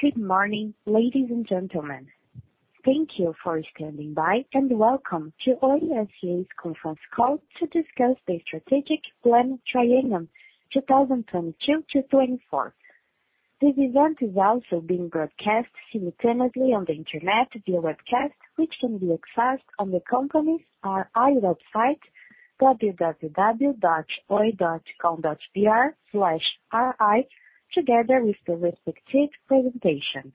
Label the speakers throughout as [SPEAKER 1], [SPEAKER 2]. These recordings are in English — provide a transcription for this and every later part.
[SPEAKER 1] Good morning, ladies and gentlemen. Thank you for standing by, and welcome to Oi S.A.'s conference call to discuss the Strategic Plan Triennium 2022-2024. This event is also being broadcast simultaneously on the internet via webcast, which can be accessed on the company's RI website, www.oi.com.br/ri, together with the respective presentation.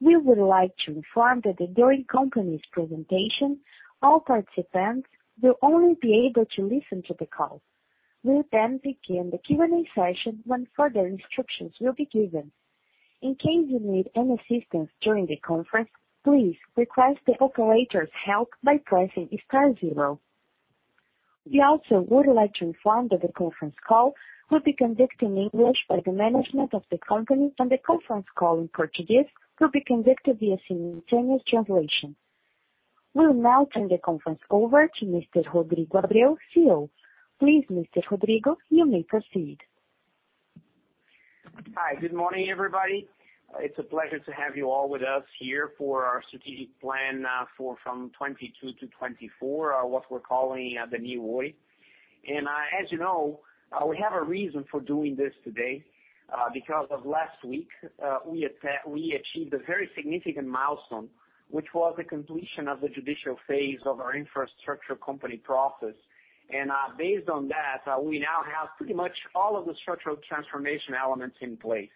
[SPEAKER 1] We would like to inform that during company's presentation, all participants will only be able to listen to the call. We'll begin the Q&A session when further instructions will be given. In case you need any assistance during the conference, please request the operator's help by pressing star zero. We also would like to inform that the conference call will be conducted in English by the management of the company, and the conference call in Portuguese will be conducted via simultaneous translation. We'll now turn the conference over to Mr. Rodrigo Abreu, CEO. Please, Mr. Rodrigo, you may proceed.
[SPEAKER 2] Hi. Good morning, everybody. It's a pleasure to have you all with us here for our strategic plan from 2022 to 2024, what we're calling the New Oi. As you know, we have a reason for doing this today, because of last week, we achieved a very significant milestone, which was the completion of the judicial phase of our InfraCo process. Based on that, we now have pretty much all of the structural transformation elements in place.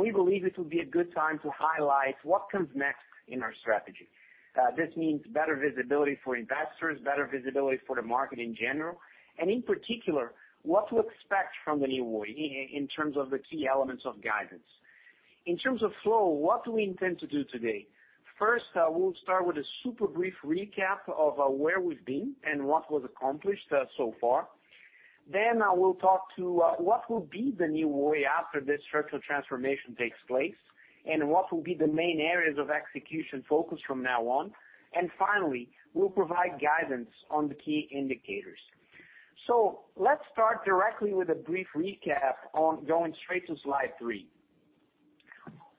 [SPEAKER 2] We believe it will be a good time to highlight what comes next in our strategy. This means better visibility for investors, better visibility for the market in general, and in particular, what to expect from the New Oi in terms of the key elements of guidance. In terms of flow, what do we intend to do today? First, we'll start with a super brief recap of where we've been and what was accomplished so far. I will talk to what will be the New Oi after this structural transformation takes place, and what will be the main areas of execution focus from now on. Finally, we'll provide guidance on the key indicators. Let's start directly with a brief recap on going straight to slide three.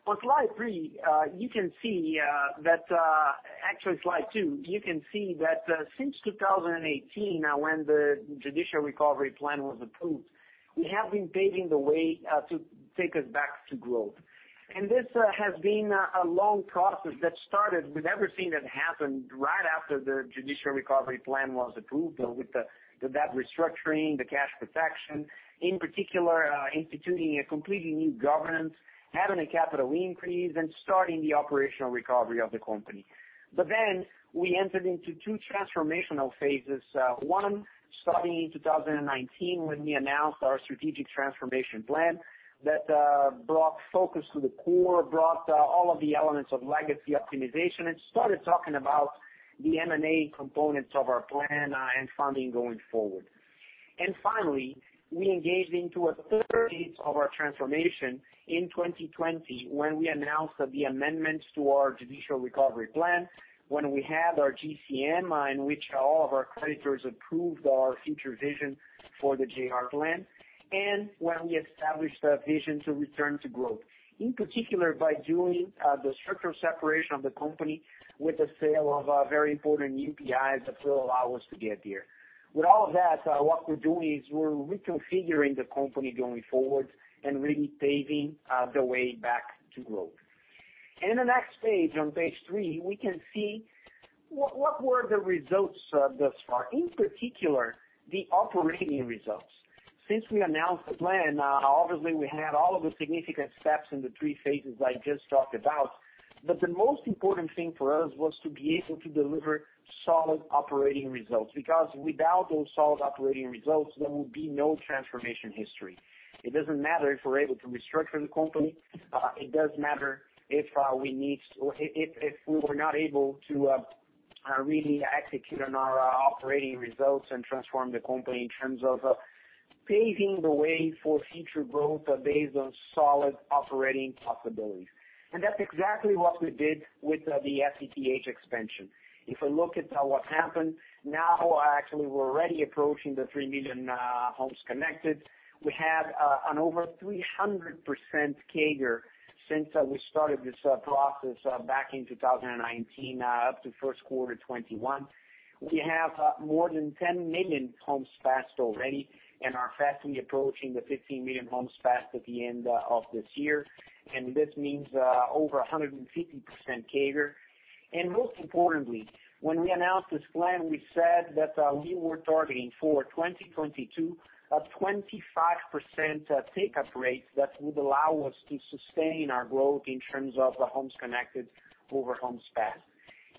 [SPEAKER 2] On slide three, slide two, you can see that since 2018, when the Judicial Recovery Plan was approved, we have been paving the way to take us back to growth. This has been a long process that started with everything that happened right after the Judicial Recovery Plan was approved, with the debt restructuring, the cash protection, in particular, instituting a completely new governance, having a capital increase, and starting the operational recovery of the company. We entered into two transformational phases. One starting in 2019 when we announced our strategic transformation plan that brought focus to the core, brought all of the elements of legacy optimization, and started talking about the M&A components of our plan and funding going forward. Finally, we engaged into a third phase of our transformation in 2020 when we announced the amendments to our Judicial Recovery Plan, when we had our GCM, in which all of our creditors approved our future vision for the JR plan, and when we established a vision to return to growth. In particular, by doing the structural separation of the company with the sale of a very important UPI that will allow us to get there. With all of that, what we're doing is we're reconfiguring the company going forward and really paving the way back to growth. In the next page, on page three, we can see what were the results thus far. In particular, the operating results. Since we announced the plan, obviously we had all of the significant steps in the three phases I just talked about. The most important thing for us was to be able to deliver solid operating results. Because without those solid operating results, there will be no transformation history. It doesn't matter if we're able to restructure the company. It does matter if we were not able to really execute on our operating results and transform the company in terms of paving the way for future growth based on solid operating possibilities. That's exactly what we did with the FTTH expansion. If we look at what happened, now actually we're already approaching the 3 million homes connected. We have an over 300% CAGR since we started this process back in 2019 up to first quarter 2021. We have more than 10 million homes passed already and are fastly approaching the 15 million homes passed at the end of this year, this means over 150% CAGR. Most importantly, when we announced this plan, we said that we were targeting for 2022, a 25% take-up rate that would allow us to sustain our growth in terms of the homes connected over homes passed.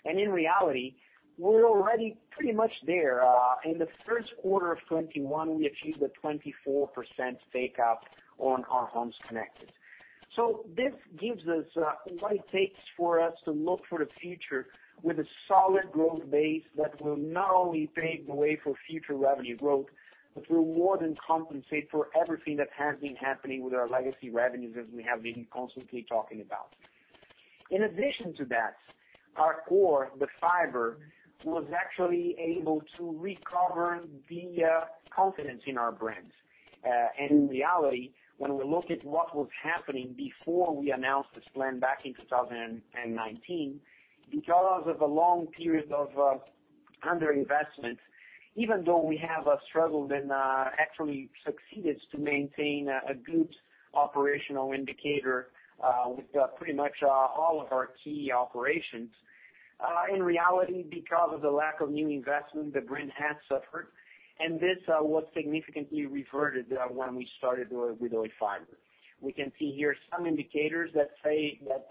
[SPEAKER 2] In reality, we're already pretty much there. In the first quarter of 2021, we achieved a 24% take-up on our homes connected. This gives us what it takes for us to look for the future with a solid growth base that will not only pave the way for future revenue growth, but will more than compensate for everything that has been happening with our legacy revenues, as we have been constantly talking about. In addition to that, our core, the fiber, was actually able to recover the confidence in our brands. In reality, when we look at what was happening before we announced this plan back in 2019, because of a long period of under-investment, even though we have struggled and actually succeeded to maintain a good operational indicator with pretty much all of our key operations. In reality, because of the lack of new investment, the brand had suffered, and this was significantly reverted when we started with Oi Fibra. We can see here some indicators that say that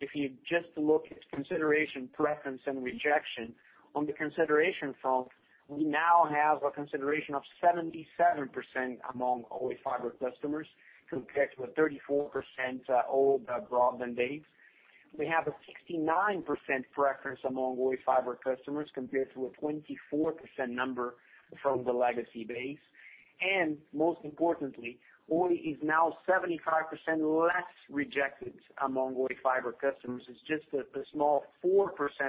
[SPEAKER 2] if you just look at consideration, preference, and rejection. On the consideration front, we now have a consideration of 77% among Oi Fibra customers compared to the 34% old broadband base. We have a 69% preference among Oi Fibra customers compared to a 24% number from the legacy base. Most importantly, Oi is now 75% less rejected among Oi Fibra customers. It's just a small 4%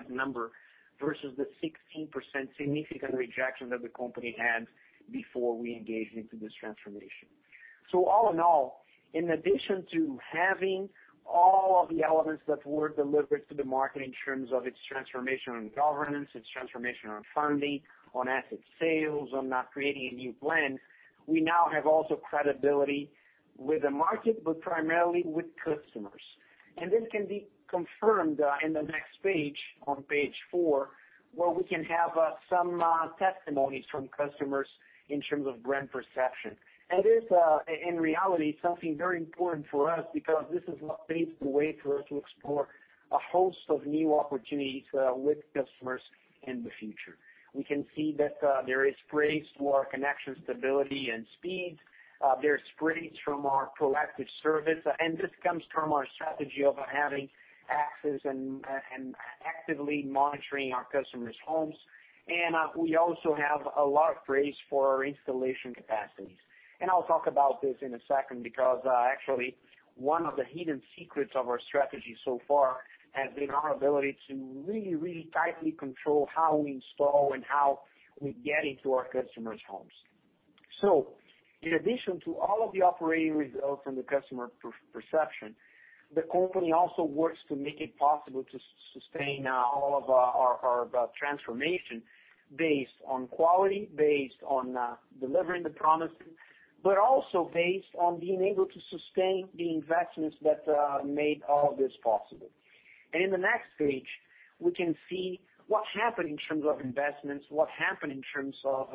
[SPEAKER 2] number versus the 16% significant rejection that the company had before we engaged into this transformation. All in all, in addition to having all of the elements that were delivered to the market in terms of its transformation on governance, its transformation on funding, on asset sales, on creating a new plan, we now have also credibility with the market, but primarily with customers. This can be confirmed in the next page, on page four, where we can have some testimonies from customers in terms of brand perception. This, in reality, is something very important for us because this is what paves the way for us to explore a host of new opportunities with customers in the future. We can see that there is praise for our connection stability and speed. There's praise from our proactive service, this comes from our strategy of having access and actively monitoring our customers' homes. We also have a lot of praise for our installation capacities. I'll talk about this in a second because actually, one of the hidden secrets of our strategy so far has been our ability to really, really tightly control how we install and how we get into our customers' homes. In addition to all of the operating results from the customer perception, the company also works to make it possible to sustain all of our transformation based on quality, based on delivering the promise, but also based on being able to sustain the investments that made all this possible. In the next page, we can see what happened in terms of investments, what happened in terms of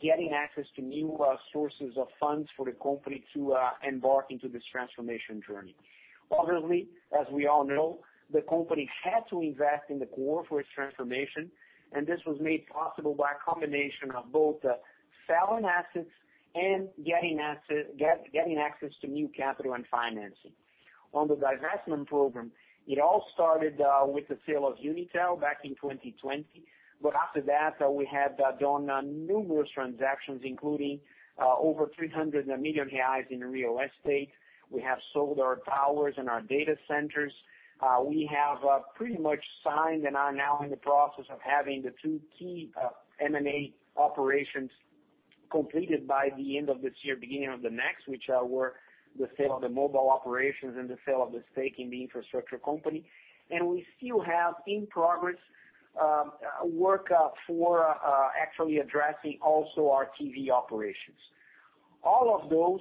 [SPEAKER 2] getting access to new sources of funds for the company to embark into this transformation journey. Obviously, as we all know, the company had to invest in the core for its transformation, and this was made possible by a combination of both selling assets and getting access to new capital and financing. On the divestment program, it all started with the sale of Unitel back in 2020. After that, we have done numerous transactions, including over 300 million reais in real estate. We have sold our towers and our data centers. We have pretty much signed and are now in the process of having the two key M&A operations completed by the end of this year, beginning of the next, which were the sale of the mobile operations and the sale of the stake in the infrastructure company. We still have in progress work for actually addressing also our TV operations. All of those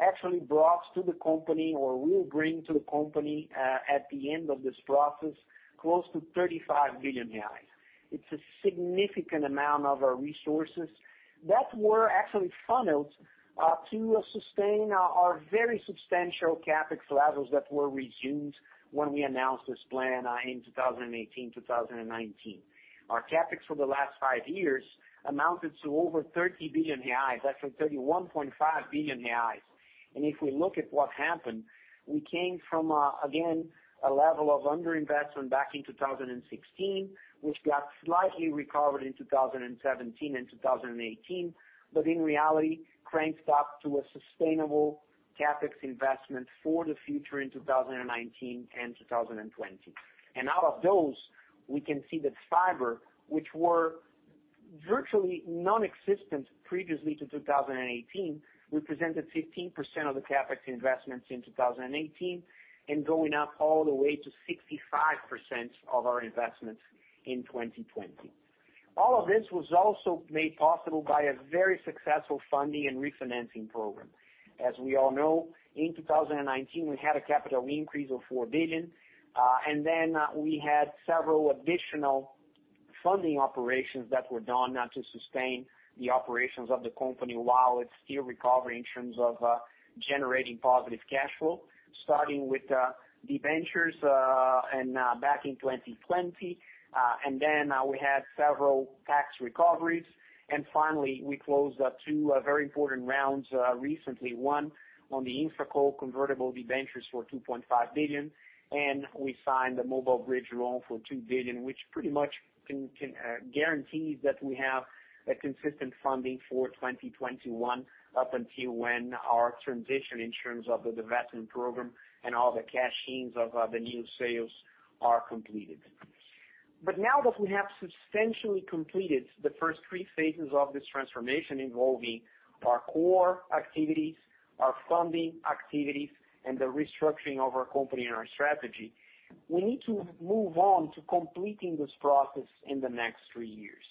[SPEAKER 2] actually brought to the company or will bring to the company, at the end of this process, close to 35 billion reais. It's a significant amount of our resources that were actually funneled to sustain our very substantial CapEx levels that were resumed when we announced this plan in 2018-2019. Our CapEx for the last five years amounted to over 30 billion reais. That's 31.5 billion reais. If we look at what happened, we came from, again, a level of under-investment back in 2016, which got slightly recovered in 2017 and 2018, but in reality, cranked up to a sustainable CapEx investment for the future in 2019 and 2020. Out of those, we can see that fiber, which were virtually non-existent previously to 2018, represented 15% of the CapEx investments in 2018 and going up all the way to 65% of our investments in 2020. All of this was also made possible by a very successful funding and refinancing program. As we all know, in 2019, we had a capital increase of 4 billion, and then we had several additional funding operations that were done to sustain the operations of the company while it's still recovering in terms of generating positive cash flow, starting with debentures back in 2020. We had several tax recoveries. We closed two very important rounds recently, one on the InfraCo convertible debentures for 2.5 billion, and we signed the mobile bridge loan for 2 billion, which pretty much guarantees that we have a consistent funding for 2021 up until when our transition in terms of the divestment program and all the cash-ins of the new sales are completed. Now that we have substantially completed the first three phases of this transformation involving our core activities, our funding activities, and the restructuring of our company and our strategy, we need to move on to completing this process in the next three years.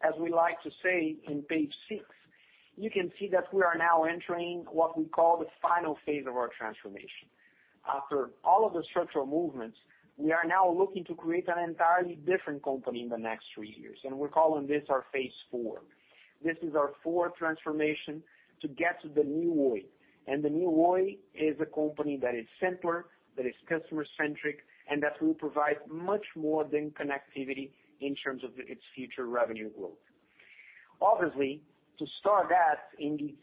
[SPEAKER 2] As we like to say on page six, you can see that we are now entering what we call the final phase of our transformation. After all of the structural movements, we are now looking to create an entirely different company in the next three years, and we're calling this our phase IV. This is our fourth transformation to get to the New Oi. The New Oi is a company that is simpler, that is customer-centric, and that will provide much more than connectivity in terms of its future revenue growth. Obviously, to start that in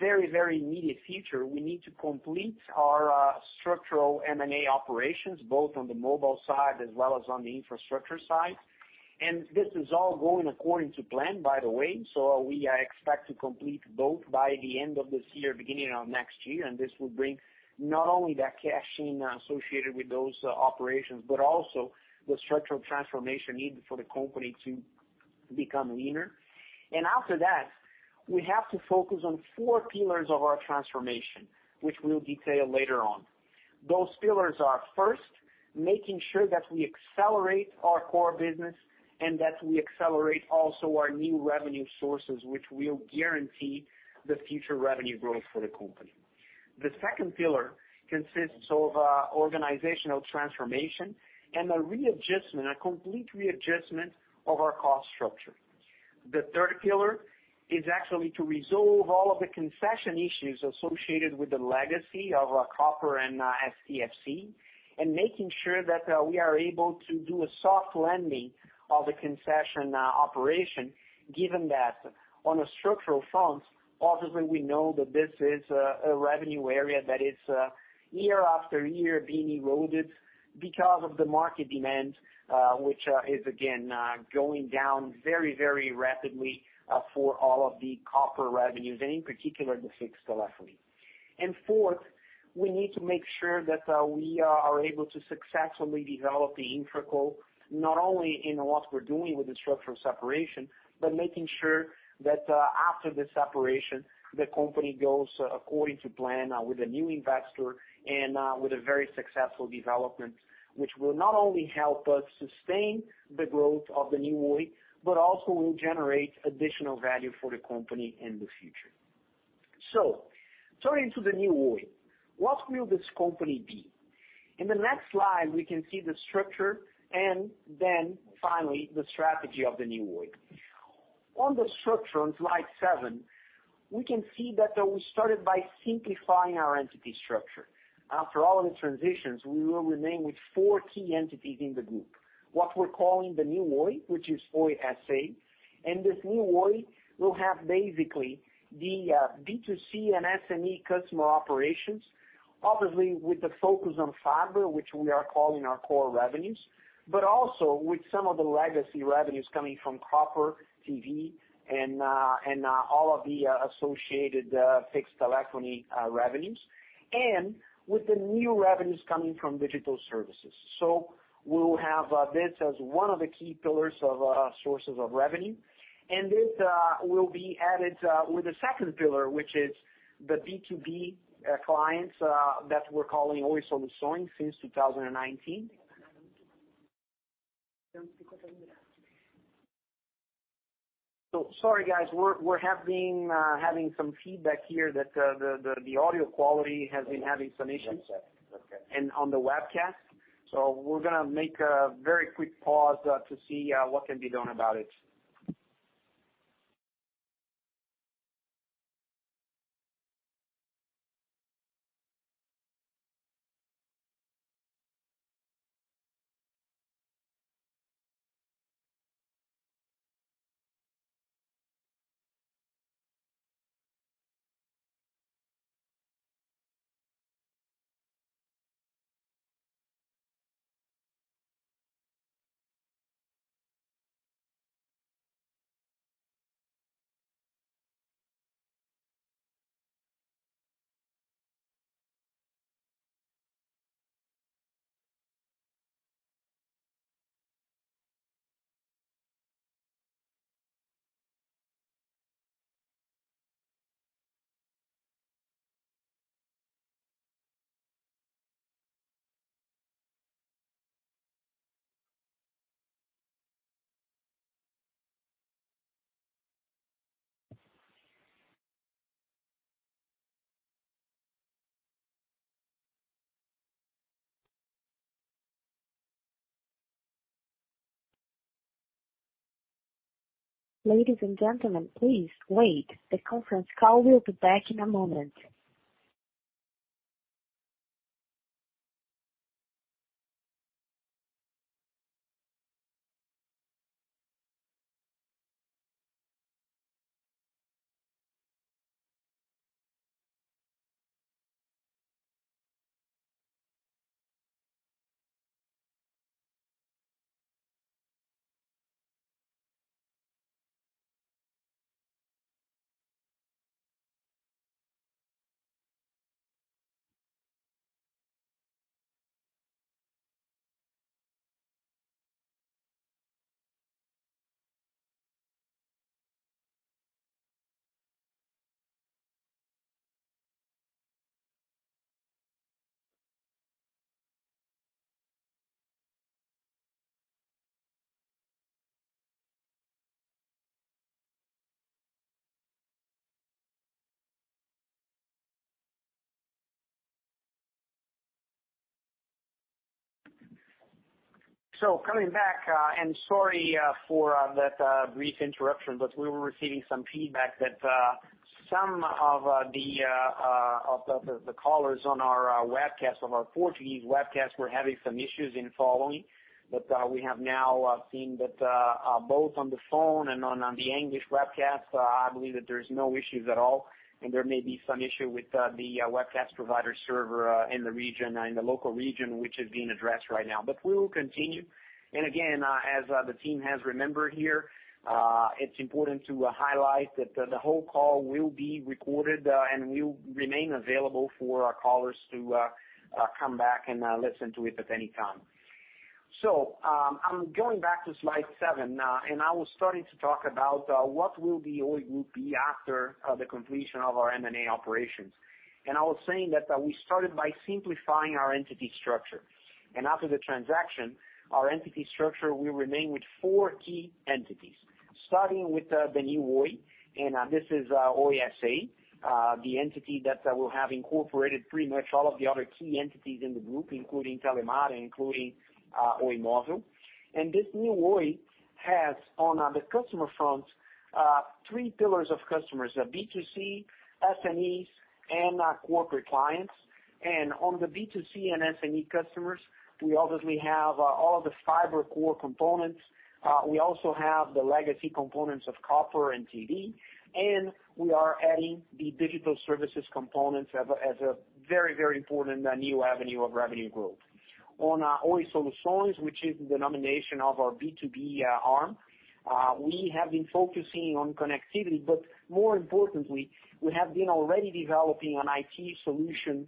[SPEAKER 2] the very immediate future, we need to complete our structural M&A operations, both on the mobile side as well as on the infrastructure side. This is all going according to plan, by the way. We expect to complete both by the end of this year, beginning of next year. This will bring not only that cash in associated with those operations, but also the structural transformation needed for the company to become leaner. After that, we have to focus on four pillars of our transformation, which we'll detail later on. Those pillars are, first, making sure that we accelerate our core business and that we accelerate also our new revenue sources, which will guarantee the future revenue growth for the company. The second pillar consists of organizational transformation and a complete readjustment of our cost structure. The third pillar is actually to resolve all of the concession issues associated with the legacy of copper and STFC, and making sure that we are able to do a soft landing of the concession operation, given that on a structural front, obviously we know that this is a revenue area that is year after year being eroded because of the market demand, which is again, going down very rapidly for all of the copper revenues and in particular, the fixed telephony. Fourth, we need to make sure that we are able to successfully develop the InfraCo, not only in what we're doing with the structural separation, but making sure that after the separation, the company goes according to plan with a new investor and with a very successful development. Which will not only help us sustain the growth of the New Oi, but also will generate additional value for the company in the future. Turning to the New Oi, what will this company be? In the next slide, we can see the structure and then finally the strategy of the New Oi. On the structure on slide seven, we can see that we started by simplifying our entity structure. After all the transitions, we will remain with four key entities in the group. What we're calling the New Oi, which is Oi S.A. This New Oi will have basically the B2C and SME customer operations, obviously with the focus on fiber, which we are calling our core revenues, but also with some of the legacy revenues coming from copper, TV, and all of the associated fixed telephony revenues, and with the new revenues coming from digital services. We'll have this as one of the key pillars of sources of revenue. This will be added with the second pillar, which is the B2B clients that we're calling Oi Soluções since 2019. Sorry, guys. We're having some feedback here that the audio quality has been having some issues.
[SPEAKER 1] On the webcast. We're going to make a very quick pause to see what can be done about it. Ladies and gentlemen, please wait. The conference call will be back in a moment.
[SPEAKER 2] Coming back, and sorry for that brief interruption, but we were receiving some feedback that some of the callers on our Portuguese webcast were having some issues in following. We have now seen that both on the phone and on the English webcast, I believe that there is no issues at all, and there may be some issue with the webcast provider server in the local region, which is being addressed right now. We will continue. Again, as the team has remembered here, it is important to highlight that the whole call will be recorded, and will remain available for our callers to come back and listen to it at any time. I am going back to slide seven. I was starting to talk about what Oi will be after the completion of our M&A operations. I was saying that we started by simplifying our entity structure. After the transaction, our entity structure will remain with four key entities. Starting with the New Oi, this is Oi S.A., the entity that will have incorporated pretty much all of the other key entities in the group, including Telemar, including Oi Móvel. This New Oi has, on the customer front, three pillars of customers, B2C, SMEs, and corporate clients. On the B2C and SME customers, we obviously have all of the fiber core components. We also have the legacy components of copper and TV, and we are adding the digital services components as a very important new avenue of revenue growth. Oi Soluções, which is the nomination of our B2B arm, we have been focusing on connectivity, but more importantly, we have been already developing an IT solution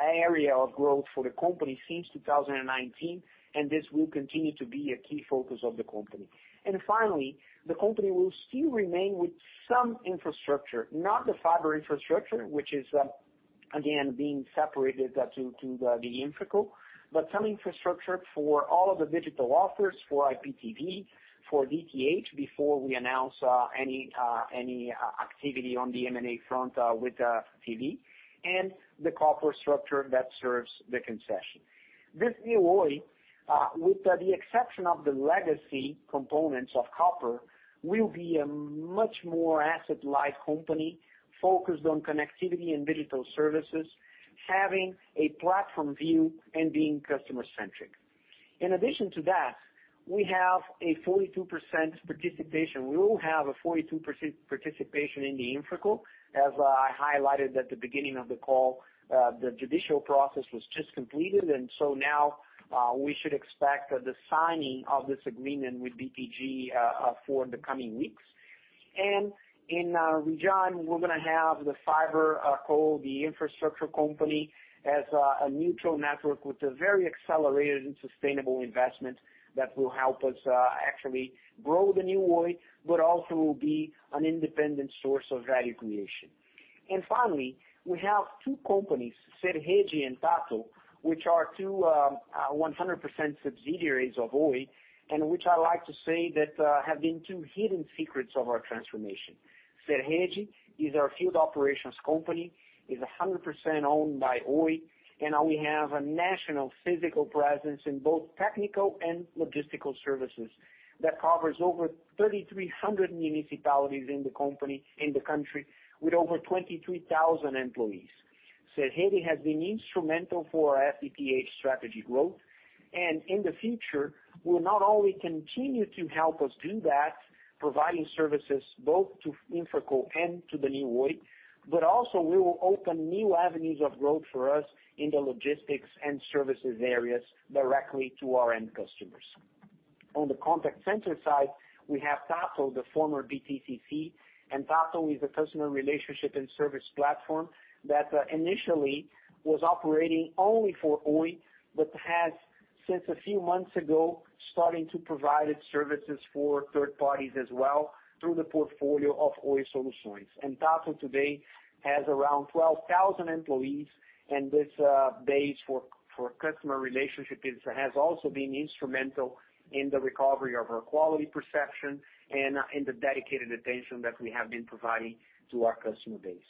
[SPEAKER 2] area of growth for the company since 2019. This will continue to be a key focus of the company. Finally, the company will still remain with some infrastructure. Not the fiber infrastructure, which is again, being separated to the InfraCo, but some infrastructure for all of the digital offers for IPTV, for DTH, before we announce any activity on the M&A front with TV, and the copper structure that serves the concession. This New Oi, with the exception of the legacy components of copper, will be a much more asset-light company focused on connectivity and digital services, having a platform view and being customer-centric. In addition to that, we have a 42% participation. We will have a 42% participation in the InfraCo. As I highlighted at the beginning of the call, the judicial process was just completed, now we should expect the signing of this agreement with BTG for the coming weeks. In Rio, we're going to have the fiber called the infrastructure company as a neutral network with a very accelerated and sustainable investment that will help us actually grow the New Oi, but also will be an independent source of value creation. Finally, we have two companies, Serede and Tahto, which are two 100% subsidiaries of Oi, which I like to say that have been two hidden secrets of our transformation. Serede is our field operations company, is 100% owned by Oi, and we have a national physical presence in both technical and logistical services that covers over 3,300 municipalities in the country with over 23,000 employees. Serede has been instrumental for our FTTH strategy growth, and in the future, will not only continue to help us do that, providing services both to InfraCo and to the New Oi, but also will open new avenues of growth for us in the logistics and services areas directly to our end customers. On the contact center side, we have Tahto, the former BTCC, and Tahto is a customer relationship and service platform that initially was operating only for Oi, but has since a few months ago, starting to provide its services for third parties as well through the portfolio of Oi Soluções. Tahto today has around 12,000 employees. This base for customer relationship has also been instrumental in the recovery of our quality perception and in the dedicated attention that we have been providing to our customer base.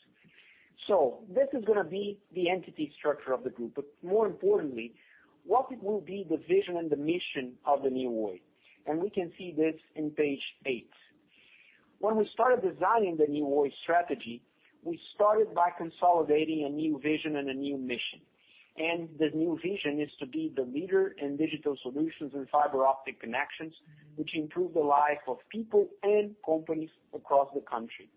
[SPEAKER 2] This is going to be the entity structure of the group, but more importantly, what will be the vision and the mission of the New Oi? We can see this on page eight. When we started designing the New Oi strategy, we started by consolidating a new vision and a new mission. The New vision is to be the leader in digital solutions and fiber-optic connections, which improve the life of people and companies across the country.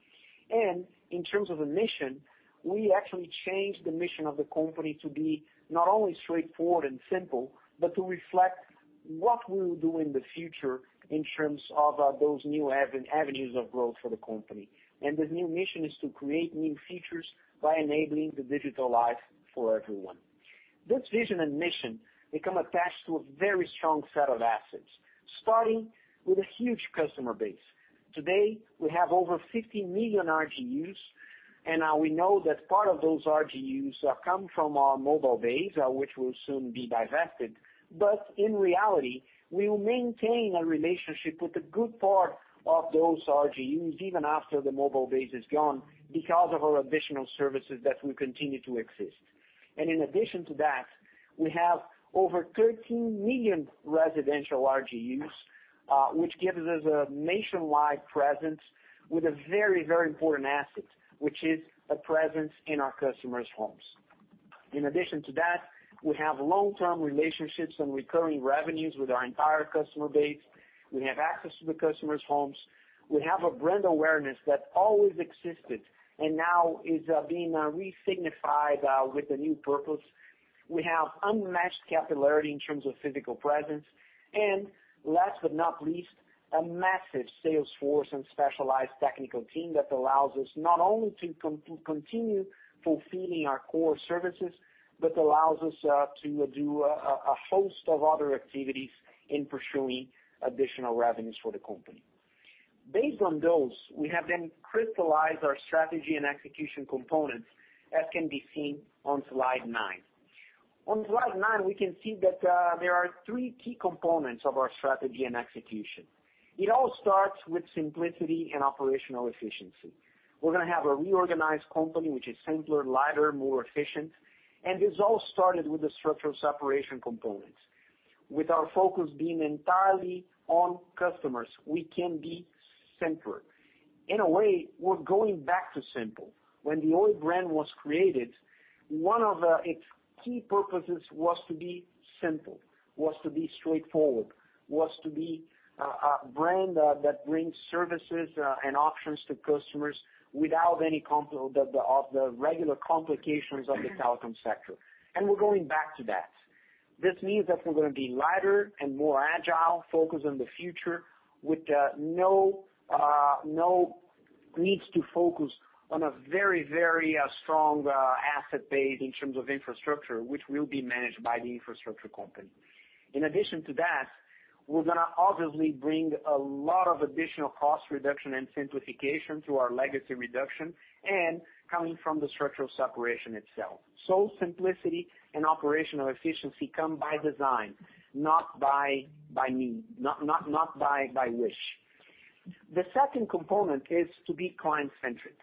[SPEAKER 2] In terms of the mission, we actually changed the mission of the company to be not only straightforward and simple, but to reflect what we will do in the future in terms of those new avenues of growth for the company. The new mission is to create new features by enabling the digital life for everyone. This vision and mission become attached to a very strong set of assets, starting with a huge customer base. Today, we have over 50 million RGUs, and now we know that part of those RGUs come from our mobile base, which will soon be divested. In reality, we will maintain a relationship with a good part of those RGUs even after the mobile base is gone because of our additional services that will continue to exist. In addition to that, we have over 13 million residential RGUs, which gives us a nationwide presence with a very, very important asset, which is a presence in our customers' homes. In addition to that, we have long-term relationships and recurring revenues with our entire customer base. We have access to the customers' homes. We have a brand awareness that always existed and now is being re-signified with a new purpose. We have unmatched capillarity in terms of physical presence. Last but not least, a massive sales force and specialized technical team that allows us not only to continue fulfilling our core services, but allows us to do a host of other activities in pursuing additional revenues for the company. Based on those, we have then crystallized our strategy and execution components, as can be seen on slide nine. On slide nine, we can see that there are three key components of our strategy and execution. It all starts with simplicity and operational efficiency. We're going to have a reorganized company, which is simpler, lighter, more efficient. This all started with the structural separation components. With our focus being entirely on customers, we can be simpler. In a way, we're going back to simple. When the Oi brand was created, one of its key purposes was to be simple, was to be straightforward, was to be a brand that brings services and options to customers without any of the regular complications of the telecom sector. We're going back to that. This means that we're going to be lighter and more agile, focused on the future with no needs to focus on a very, very strong asset base in terms of infrastructure, which will be managed by the infrastructure company. In addition to that, we're going to obviously bring a lot of additional cost reduction and simplification through our legacy reduction and coming from the structural separation itself. Simplicity and operational efficiency come by design, not by need, not by wish. The second component is to be client-centric.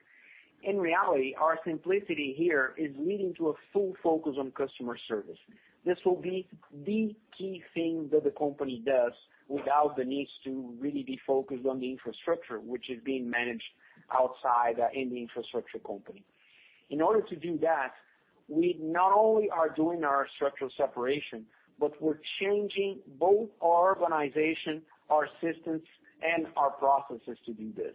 [SPEAKER 2] In reality, our simplicity here is leading to a full focus on customer service. This will be the key thing that the company does without the need to really be focused on the infrastructure, which is being managed outside in the infrastructure company. In order to do that, we not only are doing our structural separation, but we're changing both our organization, our systems, and our processes to do this.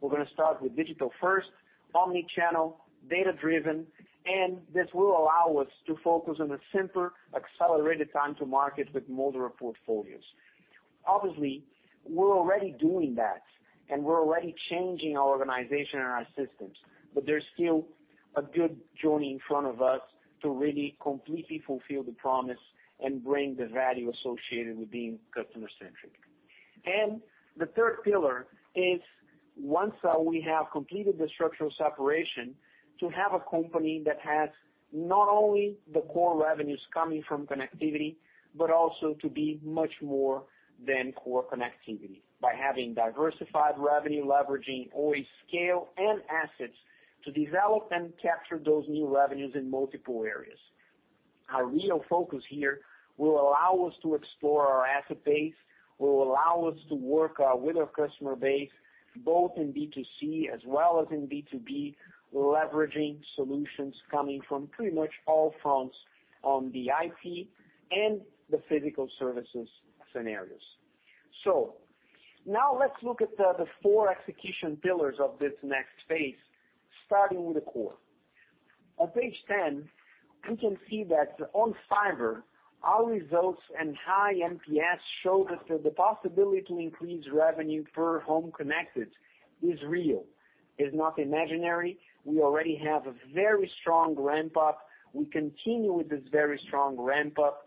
[SPEAKER 2] We're going to start with digital-first, omni-channel, data-driven, and this will allow us to focus on a simpler, accelerated time to market with modular portfolios. Obviously, we're already doing that, and we're already changing our organization and our systems, but there's still a good journey in front of us to really completely fulfill the promise and bring the value associated with being customer-centric. The third pillar is once we have completed the structural separation, to have a company that has not only the core revenues coming from connectivity, but also to be much more than core connectivity by having diversified revenue, leveraging Oi's scale and assets to develop and capture those new revenues in multiple areas. Our real focus here will allow us to explore our asset base, will allow us to work with our customer base, both in B2C as well as in B2B, leveraging solutions coming from pretty much all fronts on the IT and the physical services scenarios. Now let's look at the four execution pillars of this next phase, starting with the core. On page 10, we can see that on Fibra, our results and high NPS show that the possibility to increase revenue per home connected is real, is not imaginary. We already have a very strong ramp-up. We continue with this very strong ramp-up.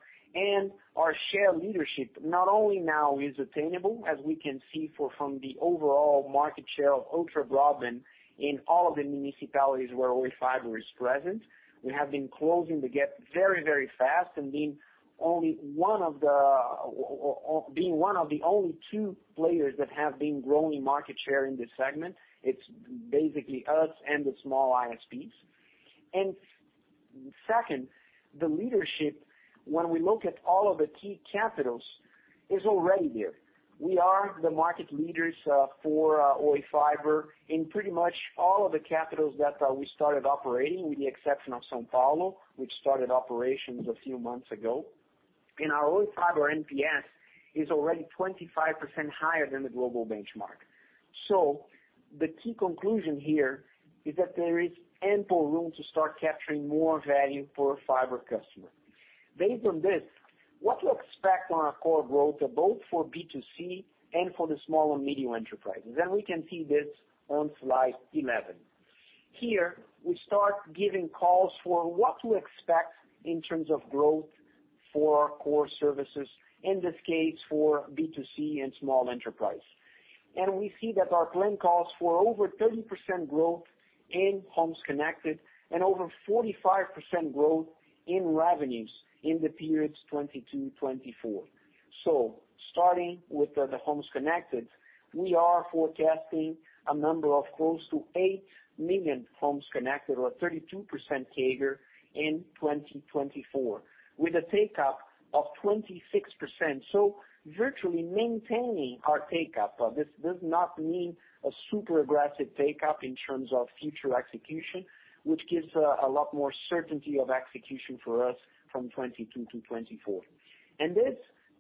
[SPEAKER 2] Our share leadership not only now is attainable, as we can see from the overall market share of ultra-broadband in all of the municipalities where Oi Fibra is present. We have been closing the gap very fast and being one of the only two players that have been growing market share in this segment. It's basically us and the small ISPs. Second, the leadership, when we look at all of the key capitals, is already there. We are the market leaders for Oi Fibra in pretty much all of the capitals that we started operating, with the exception of São Paulo, which started operations a few months ago. Our Oi Fibra NPS is already 25% higher than the global benchmark. The key conclusion here is that there is ample room to start capturing more value for a fiber customer. Based on this, what to expect on our core growth, both for B2C and for the small and medium enterprises. We can see this on slide 11. Here, we start giving calls for what to expect in terms of growth for our core services, in this case, for B2C and small enterprise. We see that our plan calls for over 30% growth in homes connected and over 45% growth in revenues in the periods 2022-2024. Starting with the homes connected, we are forecasting a number of close to 8 million homes connected or 32% CAGR in 2024 with a take-up of 26%. Virtually maintaining our take-up. This does not mean a super aggressive take-up in terms of future execution, which gives a lot more certainty of execution for us from 2022-2024. This,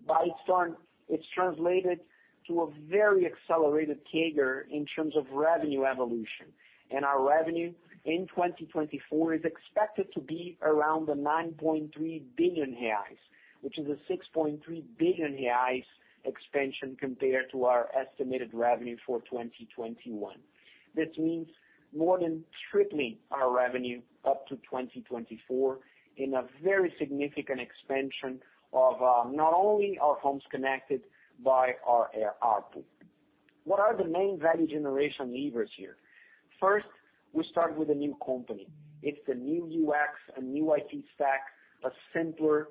[SPEAKER 2] by its turn, it's translated to a very accelerated CAGR in terms of revenue evolution. Our revenue in 2024 is expected to be around 9.3 billion reais, which is a 6.3 billion reais expansion compared to our estimated revenue for 2021. This means more than tripling our revenue up to 2024 in a very significant expansion of not only our homes connected by our ARPU. What are the main value generation levers here? First, we start with a new company. It's a new UX, a new IT stack, a simpler,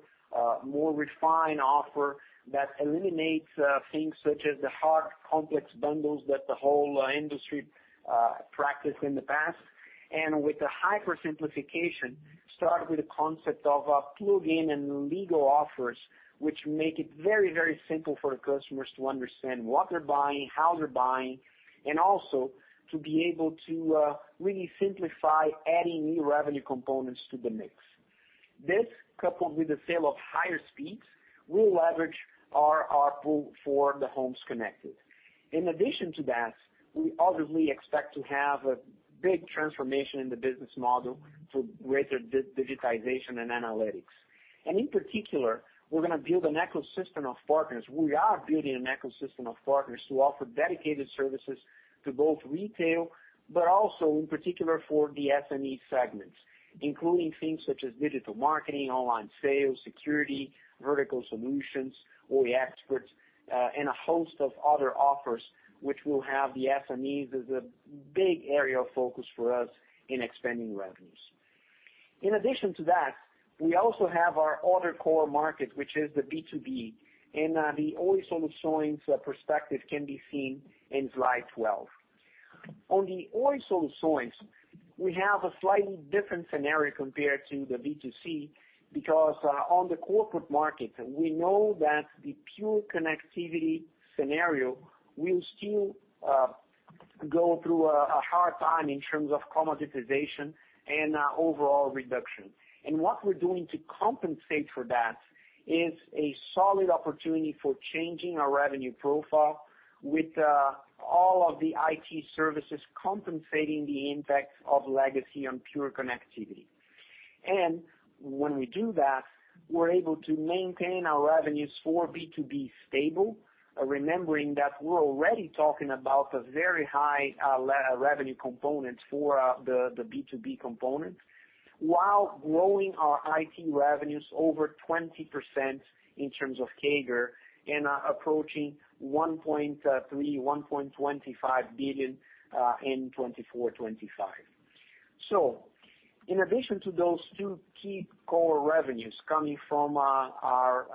[SPEAKER 2] more refined offer that eliminates things such as the hard, complex bundles that the whole industry practiced in the past. With the hyper simplification, start with the concept of plug-in and legal offers, which make it very simple for customers to understand what they're buying, how they're buying, and also to be able to really simplify adding new revenue components to the mix. This, coupled with the sale of higher speeds, will leverage our ARPU for the homes connected. We obviously expect to have a big transformation in the business model through greater digitization and analytics. We're going to build an ecosystem of partners. We are building an ecosystem of partners to offer dedicated services to both retail, but also in particular for the SME segments, including things such as digital marketing, online sales, security, vertical solutions, Oi Expert, and a host of other offers which will have the SMEs as a big area of focus for us in expanding revenues. We also have our other core market, which is the B2B, and the Oi Soluções perspective can be seen in slide 12. On the Oi Soluções, we have a slightly different scenario compared to the B2C, because on the corporate market, we know that the pure connectivity scenario will still go through a hard time in terms of commoditization and overall reduction. What we're doing to compensate for that is a solid opportunity for changing our revenue profile with all of the IT services compensating the impact of legacy on pure connectivity. When we do that, we're able to maintain our revenues for B2B stable, remembering that we're already talking about a very high revenue component for the B2B component, while growing our IT revenues over 20% in terms of CAGR and approaching 1.3 billion, 1.25 billion in 2024, 2025. In addition to those two key core revenues coming from our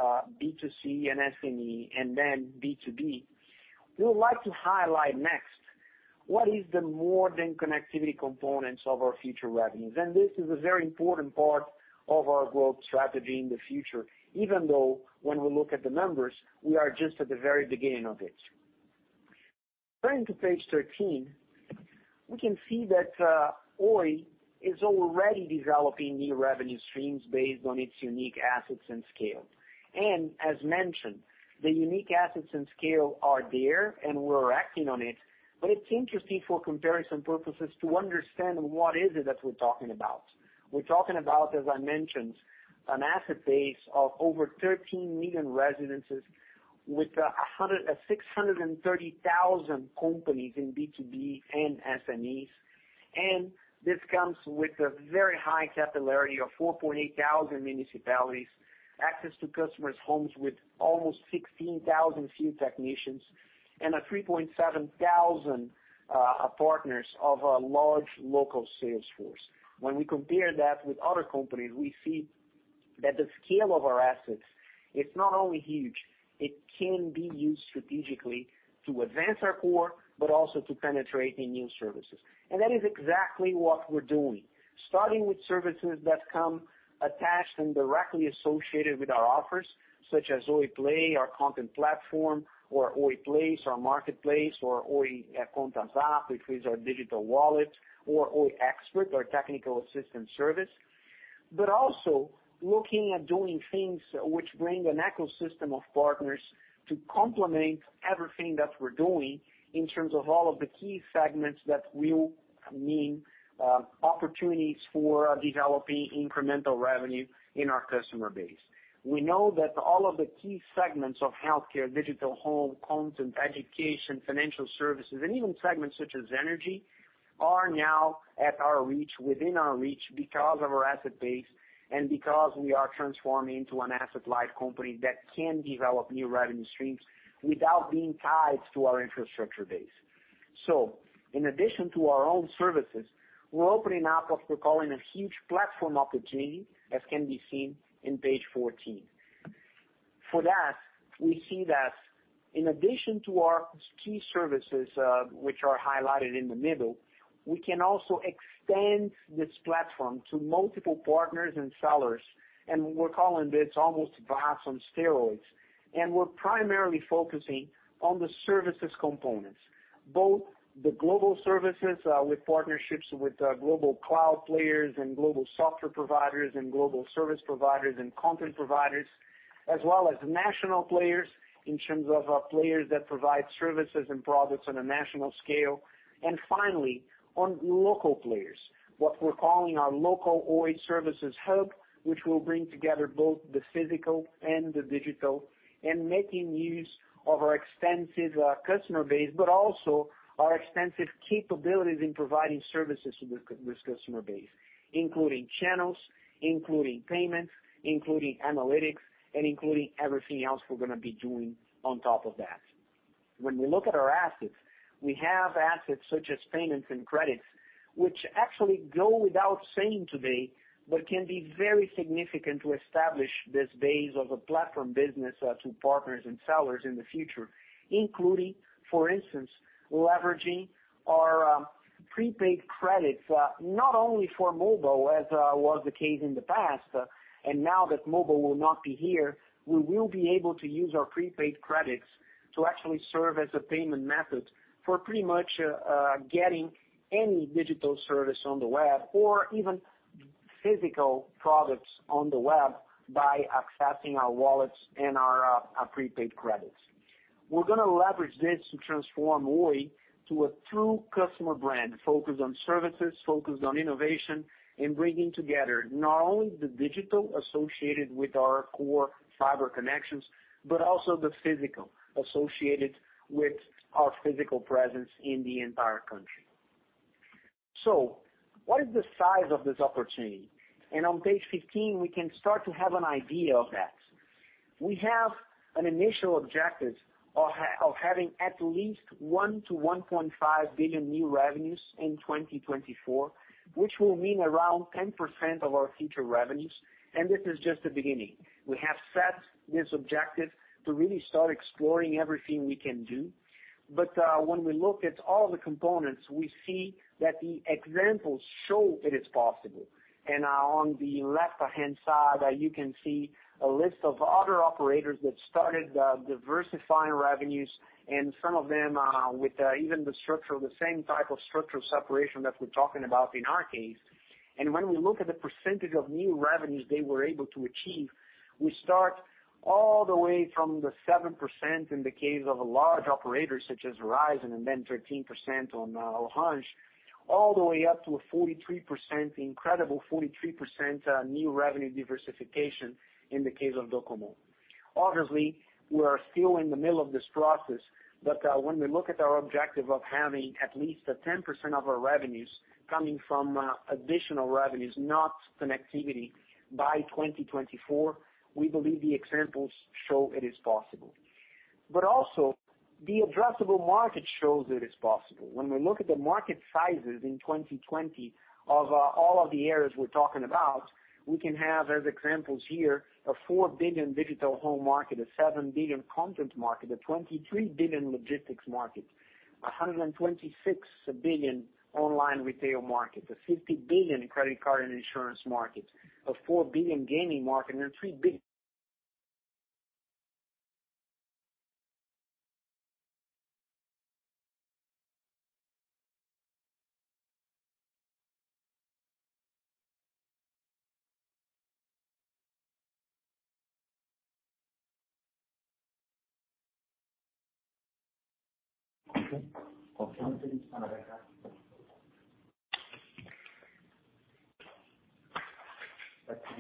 [SPEAKER 2] B2C and SME and then B2B, we would like to highlight next what is the more than connectivity components of our future revenues. This is a very important part of our growth strategy in the future, even though when we look at the numbers, we are just at the very beginning of it. Turning to page 13, we can see that Oi is already developing new revenue streams based on its unique assets and scale. As mentioned, the unique assets and scale are there, and we're acting on it. It's interesting for comparison purposes to understand what is it that we're talking about. We're talking about, as I mentioned, an asset base of over 13 million residences with 630,000 companies in B2B and SMEs. This comes with a very high capillarity of 4,800 municipalities, access to customers' homes with almost 16,000 field technicians, and 3,700 partners of a large local sales force. We compare that with other companies, we see that the scale of our assets is not only huge, it can be used strategically to advance our core, but also to penetrate in new services. That is exactly what we're doing, starting with services that come attached and directly associated with our offers, such as Oi Play, our content platform, or Oi Place, our marketplace, or Oi Contas app, which is our digital wallet, or Oi Expert, our technical assistance service. Also looking at doing things which bring an ecosystem of partners to complement everything that we're doing in terms of all of the key segments that will mean opportunities for developing incremental revenue in our customer base. We know that all of the key segments of healthcare, digital home, content, education, financial services, and even segments such as energy, are now at our reach, within our reach because of our asset base and because we are transforming into an asset-light company that can develop new revenue streams without being tied to our infrastructure base. In addition to our own services, we're opening up what we're calling a huge platform opportunity, as can be seen on page 14. For that, we see that in addition to our key services, which are highlighted in the middle, we can also extend this platform to multiple partners and sellers, and we're calling this almost VAS on steroids. We're primarily focusing on the services components, both the global services, with partnerships with global cloud players and global software providers and global service providers and content providers, as well as national players, in terms of players that provide services and products on a national scale. Finally, on local players, what we're calling our local Oi services hub, which will bring together both the physical and the digital and making use of our extensive customer base, but also our extensive capabilities in providing services to this customer base, including channels, including payments, including analytics, and including everything else we're going to be doing on top of that. When we look at our assets, we have assets such as payments and credits, which actually go without saying today, but can be very significant to establish this base of a platform business to partners and sellers in the future. Including, for instance, leveraging our prepaid credits, not only for mobile, as was the case in the past. Now that mobile will not be here, we will be able to use our prepaid credits to actually serve as a payment method for pretty much getting any digital service on the web or even physical products on the web by accessing our wallets and our prepaid credits. We're going to leverage this to transform Oi to a true customer brand, focused on services, focused on innovation, and bringing together not only the digital associated with our core fiber connections, but also the physical associated with our physical presence in the entire country. What is the size of this opportunity? On page 15, we can start to have an idea of that. We have an initial objective of having at least 1 billion-1.5 billion new revenues in 2024, which will mean around 10% of our future revenues, and this is just the beginning. We have set this objective to really start exploring everything we can do. When we look at all the components, we see that the examples show that it's possible. On the left-hand side, you can see a list of other operators that started diversifying revenues, and some of them with even the structure, the same type of structural separation that we're talking about in our case. When we look at the percentage of new revenues they were able to achieve, we start all the way from the 7% in the case of a large operator such as Verizon, then 13% on Orange, all the way up to a 43%, incredible 43% new revenue diversification in the case of Docomo. Obviously, we are still in the middle of this process, but when we look at our objective of having at least 10% of our revenues coming from additional revenues, not connectivity, by 2024, we believe the examples show it is possible. Also, the addressable market shows it is possible. When we look at the market sizes in 2020 of all of the areas we're talking about, we can have, as examples here, a 4 billion digital home market, a 7 billion content market, a 23 billion logistics market, 126 billion online retail market, a 50 billion credit card and insurance market, a 4 billion gaming market, and a 3 billion. Going back, when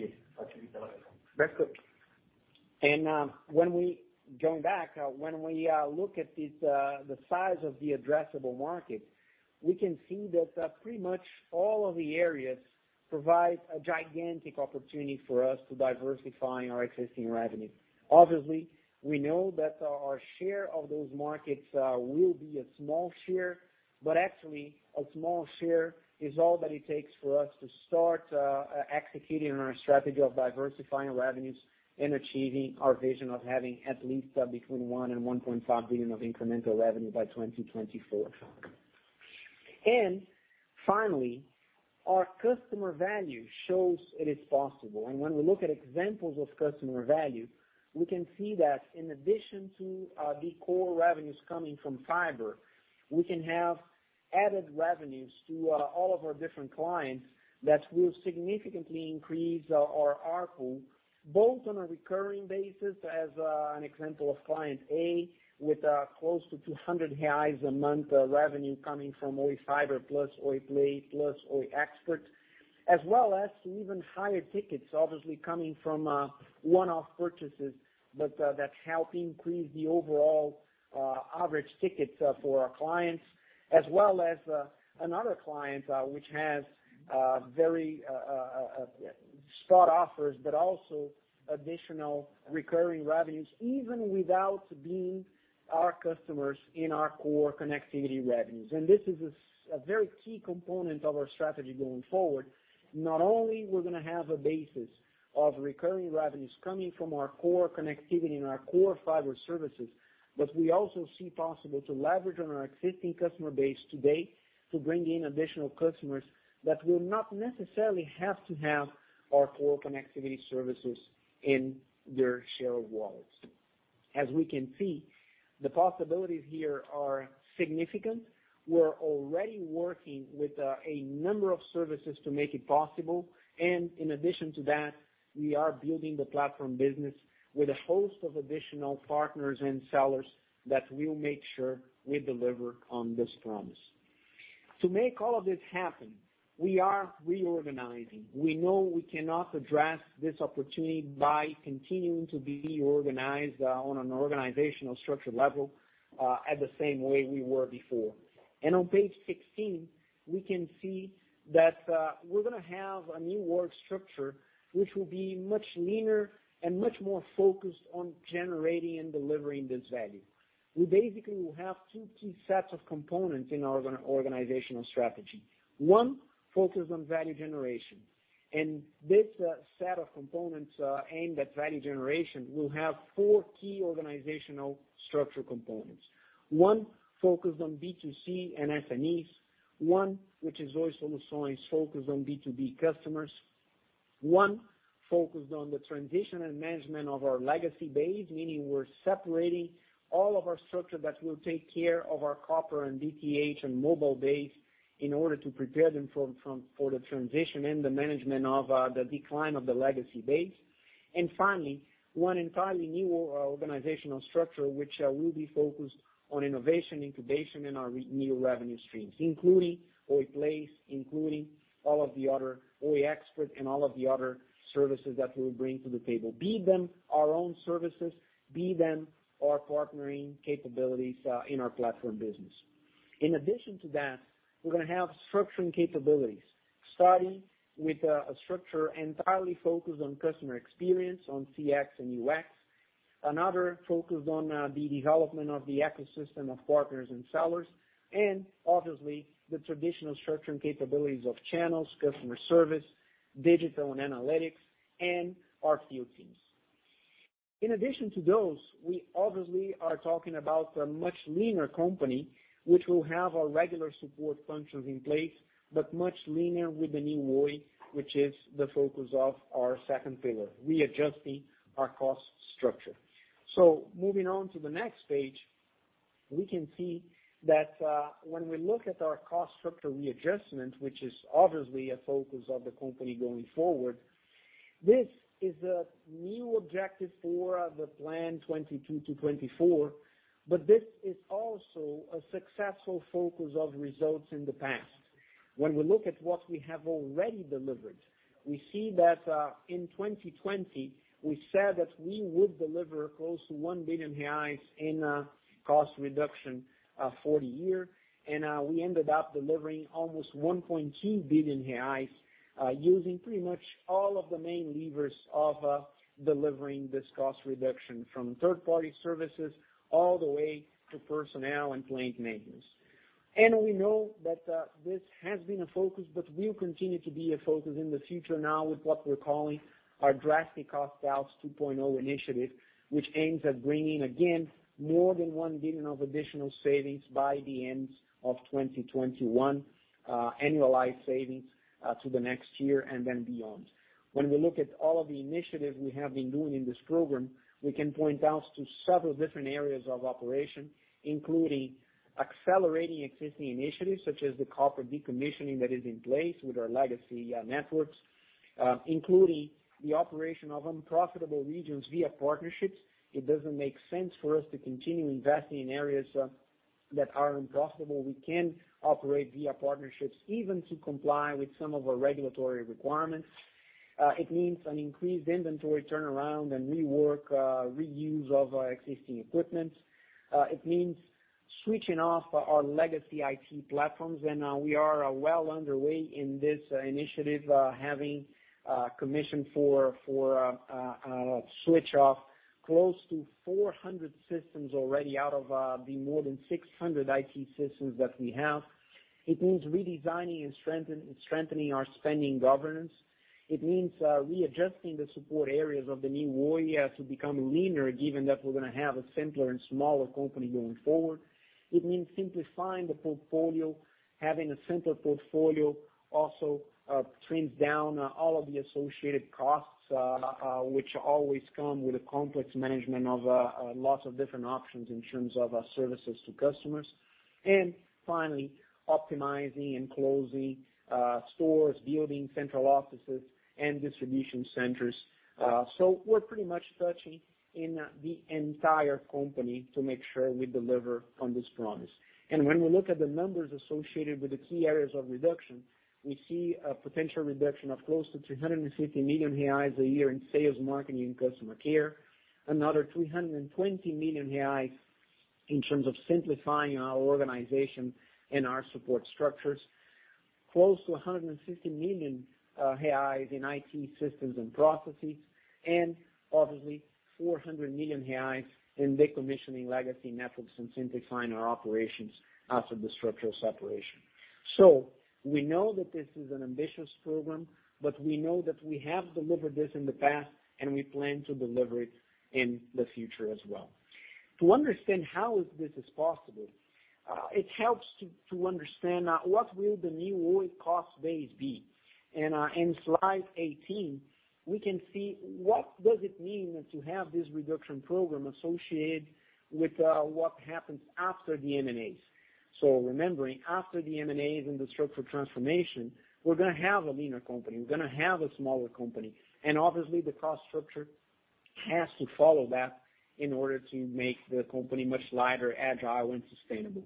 [SPEAKER 2] we look at the size of the addressable market, we can see that pretty much all of the areas provide a gigantic opportunity for us to diversify our existing revenue. Obviously, we know that our share of those markets will be a small share, but actually, a small share is all that it takes for us to start executing on our strategy of diversifying revenues and achieving our vision of having at least between 1 billion and 1.5 billion of incremental revenue by 2024. Finally, our customer value shows it is possible. When we look at examples of customer value, we can see that in addition to the core revenues coming from fiber, we can haveAdded revenues to all of our different clients that will significantly increase our ARPU, both on a recurring basis, as an example of client A, with close to 200 reais a month revenue coming from Oi Fibra Plus, Oi Play Plus, Oi Expert, as well as even higher tickets, obviously coming from one-off purchases, but that help increase the overall average tickets for our clients. Another client, which has very spot offers, but also additional recurring revenues, even without being our customers in our core connectivity revenues. This is a very key component of our strategy going forward. Not only we're going to have a basis of recurring revenues coming from our core connectivity and our core fiber services, but we also see possible to leverage on our existing customer base today to bring in additional customers that will not necessarily have to have our core connectivity services in their share of wallets. As we can see, the possibilities here are significant. We're already working with a number of services to make it possible, and in addition to that, we are building the platform business with a host of additional partners and sellers that will make sure we deliver on this promise. To make all of this happen, we are reorganizing. We know we cannot address this opportunity by continuing to be organized on an organizational structure level at the same way we were before. On page 16, we can see that we're going to have a new org structure, which will be much leaner and much more focused on generating and delivering this value. We basically will have two key sets of components in our organizational strategy. One, focus on value generation. This set of components aimed at value generation will have four key organizational structure components. One focused on B2C and SMEs, one which is Oi Soluções focused on B2B customers, one focused on the transition and management of our legacy base, meaning we're separating all of our structure that will take care of our copper and DTH and mobile base in order to prepare them for the transition and the management of the decline of the legacy base. Finally, one entirely new organizational structure, which will be focused on innovation, incubation, and our new revenue streams, including Oi Place, including all of the other Oi Expert, and all of the other services that we will bring to the table, be them our own services, be them our partnering capabilities in our platform business. In addition to that, we are going to have structuring capabilities, starting with a structure entirely focused on customer experience, on CX and UX. Another focused on the development of the ecosystem of partners and sellers, and obviously, the traditional structuring capabilities of channels, customer service, digital and analytics, and our field teams. In addition to those, we obviously are talking about a much leaner company, which will have our regular support functions in place, but much leaner with the New Oi, which is the focus of our second pillar, readjusting our cost structure. Moving on to the next page, we can see that when we look at our cost structure readjustment, which is obviously a focus of the company going forward, this is a new objective for the plan 2022 to 2024, but this is also a successful focus of results in the past. When we look at what we have already delivered, we see that in 2020, we said that we would deliver close to 1 billion reais in cost reduction for the year, and we ended up delivering almost 1.2 billion reais, using pretty much all of the main levers of delivering this cost reduction, from third-party services all the way to personnel and plant maintenance. We know that this has been a focus, but will continue to be a focus in the future now with what we're calling our drastic Cost Out 2.0 initiative, which aims at bringing, again, more than 1 billion of additional savings by the end of 2021, annualized savings to the next year and then beyond. When we look at all of the initiatives we have been doing in this program, we can point out to several different areas of operation, including accelerating existing initiatives, such as the copper decommissioning that is in place with our legacy networks, including the operation of unprofitable regions via partnerships. It doesn't make sense for us to continue investing in areas that are unprofitable. We can operate via partnerships even to comply with some of our regulatory requirements. It means an increased inventory turnaround and rework, reuse of our existing equipment. It means switching off our legacy IT platforms, and we are well underway in this initiative, having commission for switch off close to 400 systems already out of the more than 600 IT systems that we have. It means redesigning and strengthening our spending governance. It means readjusting the support areas of the New Oi as we become leaner, given that we're going to have a simpler and smaller company going forward. It means simplifying the portfolio. Having a simpler portfolio also trims down all of the associated costs, which always come with a complex management of lots of different options in terms of services to customers. Finally, optimizing and closing stores, building central offices and distribution centers. We're pretty much touching in the entire company to make sure we deliver on this promise. When we look at the numbers associated with the key areas of reduction, we see a potential reduction of close to 350 million reais a year in sales, marketing, and customer care. Another 320 million reais in terms of simplifying our organization and our support structures. Close to 150 million reais in IT systems and processes. Obviously, 400 million reais in decommissioning legacy networks and simplifying our operations after the structural separation. We know that this is an ambitious program, but we know that we have delivered this in the past, and we plan to deliver it in the future as well. To understand how this is possible, it helps to understand what will the New Oi cost base be. In slide 18, we can see what does it mean to have this reduction program associated with what happens after the M&As. Remembering, after the M&As and the structural transformation, we're going to have a leaner company, we're going to have a smaller company. Obviously, the cost structure has to follow that in order to make the company much lighter, agile, and sustainable.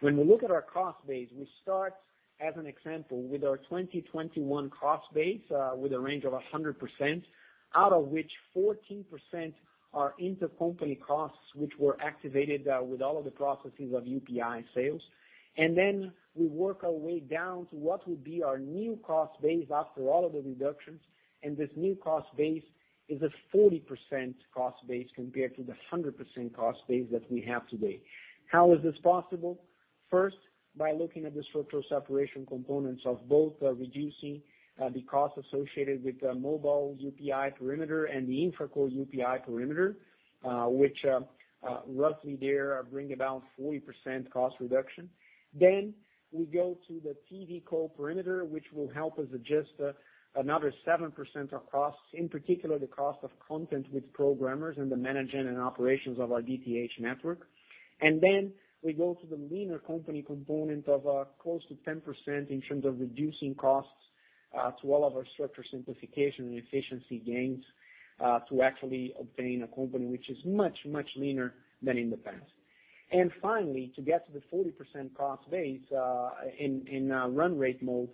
[SPEAKER 2] When we look at our cost base, we start as an example with our 2021 cost base, with a range of 100%, out of which 14% are intercompany costs, which were activated with all of the processes of UPI sales. Then we work our way down to what will be our new cost base after all of the reductions, and this new cost base is a 40% cost base compared to the 100% cost base that we have today. How is this possible? First, by looking at the structural separation components of both reducing the cost associated with the mobile UPI perimeter and the InfraCo UPI perimeter, which roughly there bring about 40% cost reduction. We go to the TVCo perimeter, which will help us adjust another 7% of costs, in particular, the cost of content with programmers and the managing and operations of our DTH network. We go to the leaner company component of close to 10% in terms of reducing costs to all of our structure simplification and efficiency gains to actually obtain a company which is much leaner than in the past. Finally, to get to the 40% cost base in run rate mode,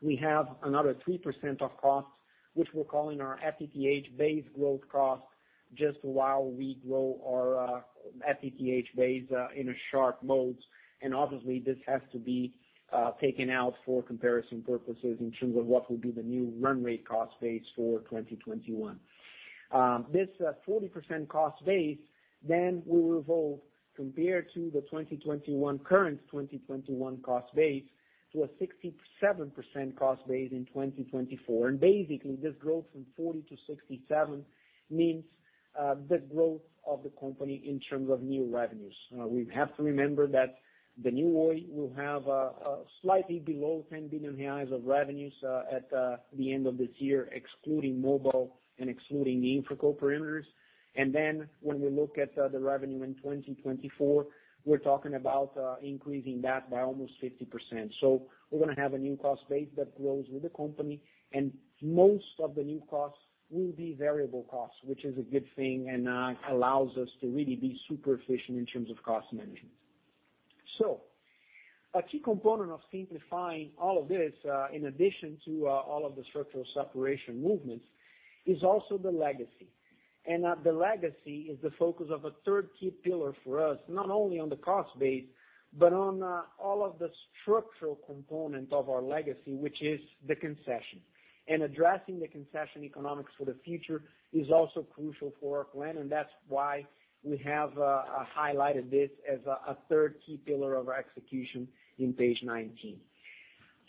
[SPEAKER 2] we have another 3% of costs, which we're calling our FTTH base growth cost, just while we grow our FTTH base in a sharp mode. Obviously, this has to be taken out for comparison purposes in terms of what will be the new run rate cost base for 2021. This 40% cost base then will revolve compared to the current 2021 cost base to a 67% cost base in 2024. Basically, this growth from 40 to 67 means the growth of the company in terms of new revenues. We have to remember that the New Oi will have a slightly below 10 billion reais of revenues at the end of this year, excluding mobile and excluding the InfraCo perimeters. Then when we look at the revenue in 2024, we're talking about increasing that by almost 50%. We're going to have a new cost base that grows with the company, and most of the new costs will be variable costs, which is a good thing and allows us to really be super efficient in terms of cost management. A key component of simplifying all of this, in addition to all of the structural separation movements, is also the legacy. The legacy is the focus of a third key pillar for us, not only on the cost base, but on all of the structural component of our legacy, which is the concession. Addressing the concession economics for the future is also crucial for our plan, and that's why we have highlighted this as a third key pillar of our execution on page 19.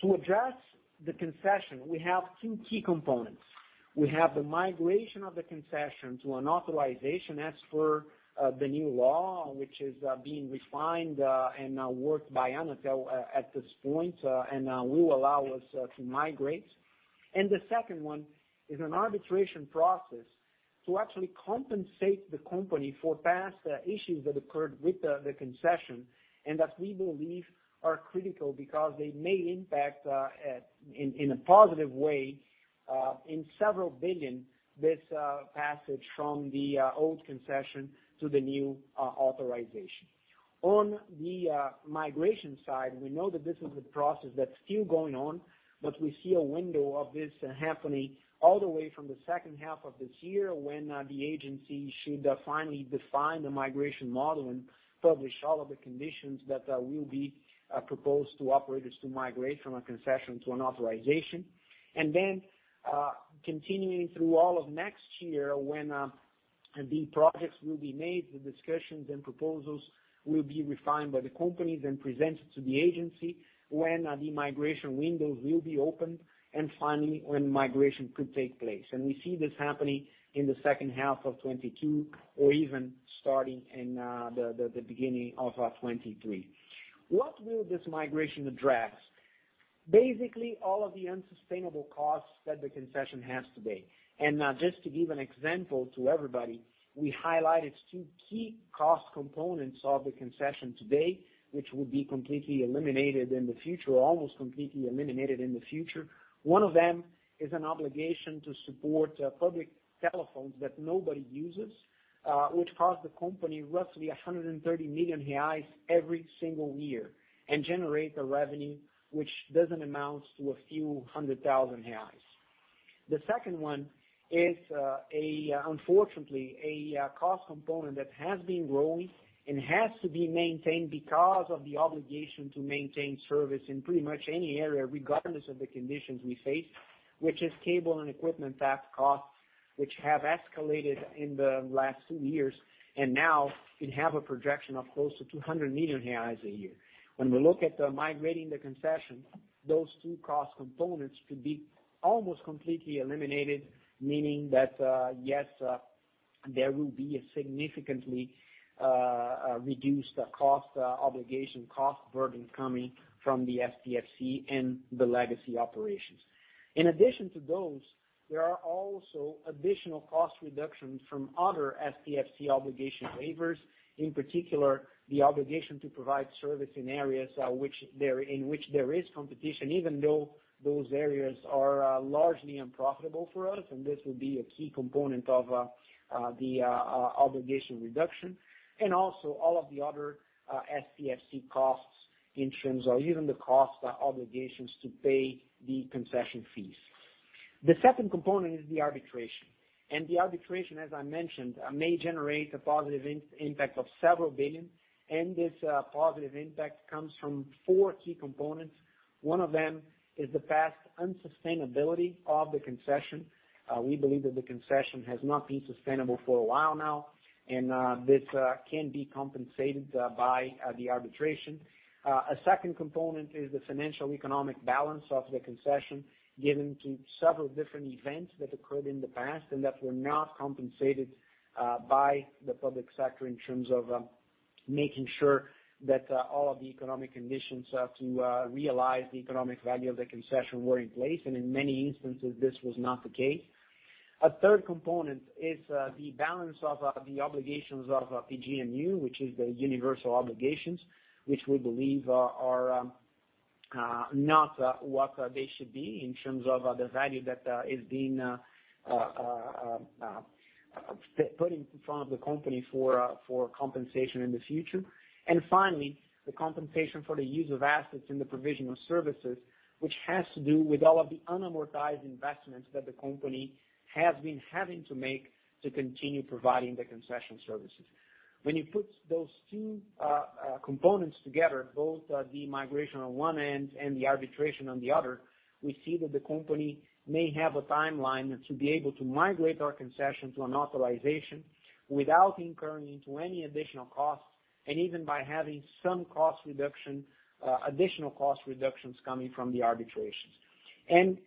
[SPEAKER 2] To address the concession, we have two key components. We have the migration of the concession to an authorization as per the new law, which is being refined and worked by Anatel at this point and will allow us to migrate. The second one is an arbitration process to actually compensate the company for past issues that occurred with the concession, and that we believe are critical because they may impact in a positive way in several billion, this passage from the old concession to the new authorization. On the migration side, we know that this is a process that's still going on, but we see a window of this happening all the way from the second half of this year when the agency should finally define the migration model and publish all of the conditions that will be proposed to operators to migrate from a concession to an authorization. Continuing through all of next year when the projects will be made, the discussions and proposals will be refined by the companies and presented to Anatel when the migration windows will be opened, and finally, when migration could take place. We see this happening in the second half of 2022 or even starting in the beginning of 2023. What will this migration address? Basically, all of the unsustainable costs that the concession has today. Just to give an example to everybody, we highlighted two key cost components of the concession today, which will be almost completely eliminated in the future. One of them is an obligation to support public telephones that nobody uses, which cost the company roughly 130 million reais every single year and generates a revenue which doesn't amount to a few 100,000 reais. The second one is, unfortunately, a cost component that has been growing and has to be maintained because of the obligation to maintain service in pretty much any area, regardless of the conditions we face, which is cable and equipment CapEx costs, which have escalated in the last 2 years and now have a projection of close to 200 million reais a year. When we look at migrating the concession, those 2 cost components could be almost completely eliminated, meaning that, yes, there will be a significantly reduced cost obligation, cost burden coming from the STFC and the legacy operations. In addition to those, there are also additional cost reductions from other STFC obligation waivers. In particular, the obligation to provide service in areas in which there is competition, even though those areas are largely unprofitable for us, and this will be a key component of the obligation reduction. Also all of the other STFC costs in terms of even the cost obligations to pay the concession fees. The second component is the arbitration. The arbitration, as I mentioned, may generate a positive impact of several billion, and this positive impact comes from four key components. One of them is the past unsustainability of the concession. We believe that the concession has not been sustainable for a while now, and this can be compensated by the arbitration. A second component is the financial economic balance of the concession, given several different events that occurred in the past and that were not compensated by the public sector in terms of making sure that all of the economic conditions to realize the economic value of the concession were in place, and in many instances, this was not the case. A third component is the balance of the obligations of PGMU, which is the universal obligations, which we believe are not what they should be in terms of the value that is being put in front of the company for compensation in the future. Finally, the compensation for the use of assets in the provision of services, which has to do with all of the unamortized investments that the company has been having to make to continue providing the concession services. When you put those two components together, both the migration on one end and the arbitration on the other, we see that the company may have a timeline to be able to migrate our concession to an authorization without incurring into any additional costs, and even by having some additional cost reductions coming from the arbitrations.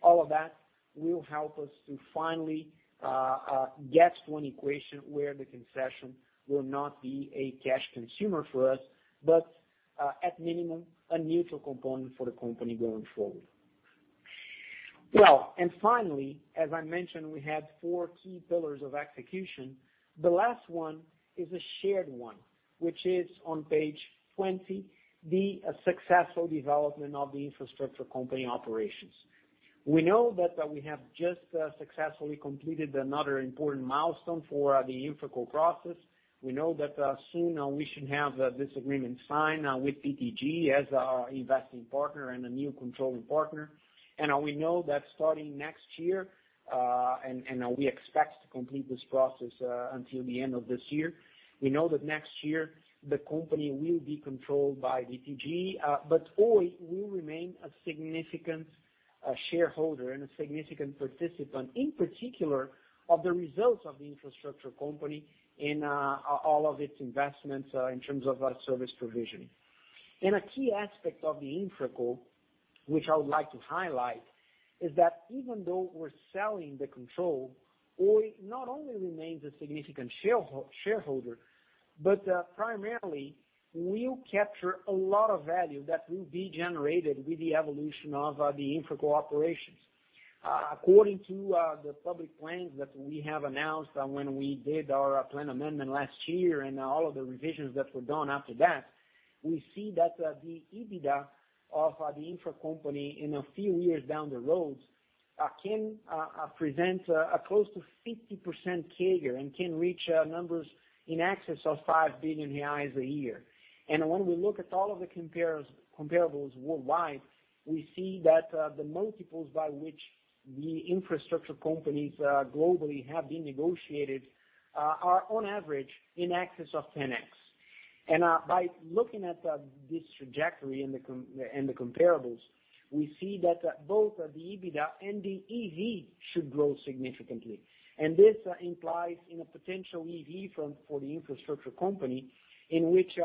[SPEAKER 2] All of that will help us to finally get to an equation where the concession will not be a cash consumer for us, but at minimum, a neutral component for the company going forward. Finally, as I mentioned, we had four key pillars of execution. The last one is a shared one, which is on page 20, the successful development of the infrastructure company operations. We know that we have just successfully completed another important milestone for the InfraCo process. We know that soon we should have this agreement signed with BTG as our investing partner and a new controlling partner. We know that starting next year, and we expect to complete this process until the end of this year. We know that next year the company will be controlled by BTG, but Oi will remain a significant shareholder and a significant participant, in particular, of the results of the infrastructure company in all of its investments in terms of our service provision. A key aspect of the InfraCo, which I would like to highlight, is that even though we're selling the control, Oi not only remains a significant shareholder, but primarily will capture a lot of value that will be generated with the evolution of the InfraCo operations. According to the public plans that we have announced when we did our plan amendment last year and all of the revisions that were done after that, we see that the EBITDA of the InfraCo in a few years down the road can present a close to 50% CAGR and can reach numbers in excess of 5 billion reais a year. When we look at all of the comparables worldwide, we see that the multiples by which the infrastructure companies globally have been negotiated are on average in excess of 10x. By looking at this trajectory and the comparables, we see that both the EBITDA and the EV should grow significantly. This implies in a potential EV for the InfraCo, in which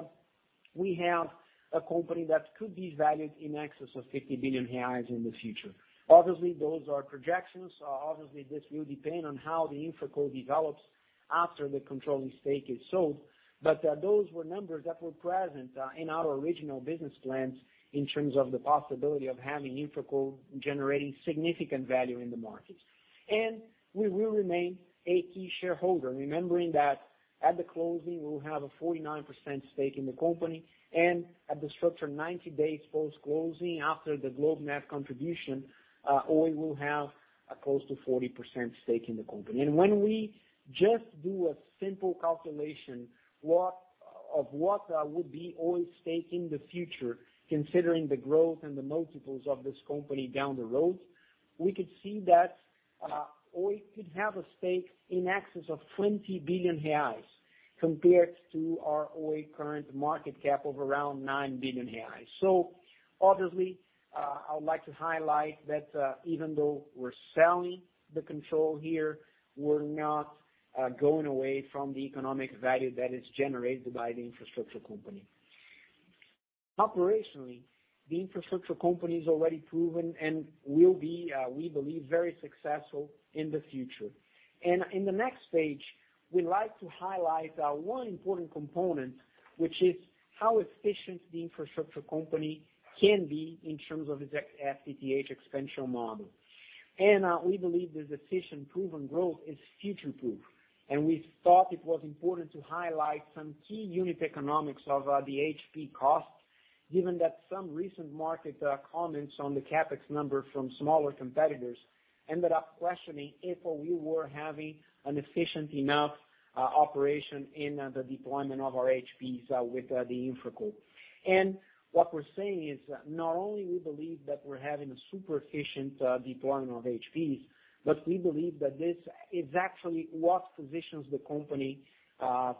[SPEAKER 2] we have a company that could be valued in excess of 50 billion reais in the future. Obviously, those are projections. Obviously, this will depend on how the InfraCo develops after the controlling stake is sold. Those were numbers that were present in our original business plans in terms of the possibility of having InfraCo generating significant value in the market. We will remain a key shareholder, remembering that at the closing, we'll have a 49% stake in the company, and at the structure, 90 days post-closing after the GlobeNet contribution, Oi will have close to 40% stake in the company. When we just do a simple calculation of what would be Oi's stake in the future, considering the growth and the multiples of this company down the road, we could see that Oi could have a stake in excess of 20 billion reais compared to our Oi current market cap of around 9 billion reais. Obviously, I would like to highlight that, even though we're selling the control here, we're not going away from the economic value that is generated by the InfraCo. Operationally, the InfraCo is already proven and will be, we believe, very successful in the future. In the next page, we'd like to highlight one important component, which is how efficient the InfraCo can be in terms of its FTTH expansion model. We believe this efficient proven growth is future-proof, and we thought it was important to highlight some key unit economics of the HP cost, given that some recent market comments on the CapEx number from smaller competitors ended up questioning if we were having an efficient enough operation in the deployment of our HPs with the InfraCo. What we're saying is, not only we believe that we're having a super-efficient deployment of HPs, but we believe that this is actually what positions the company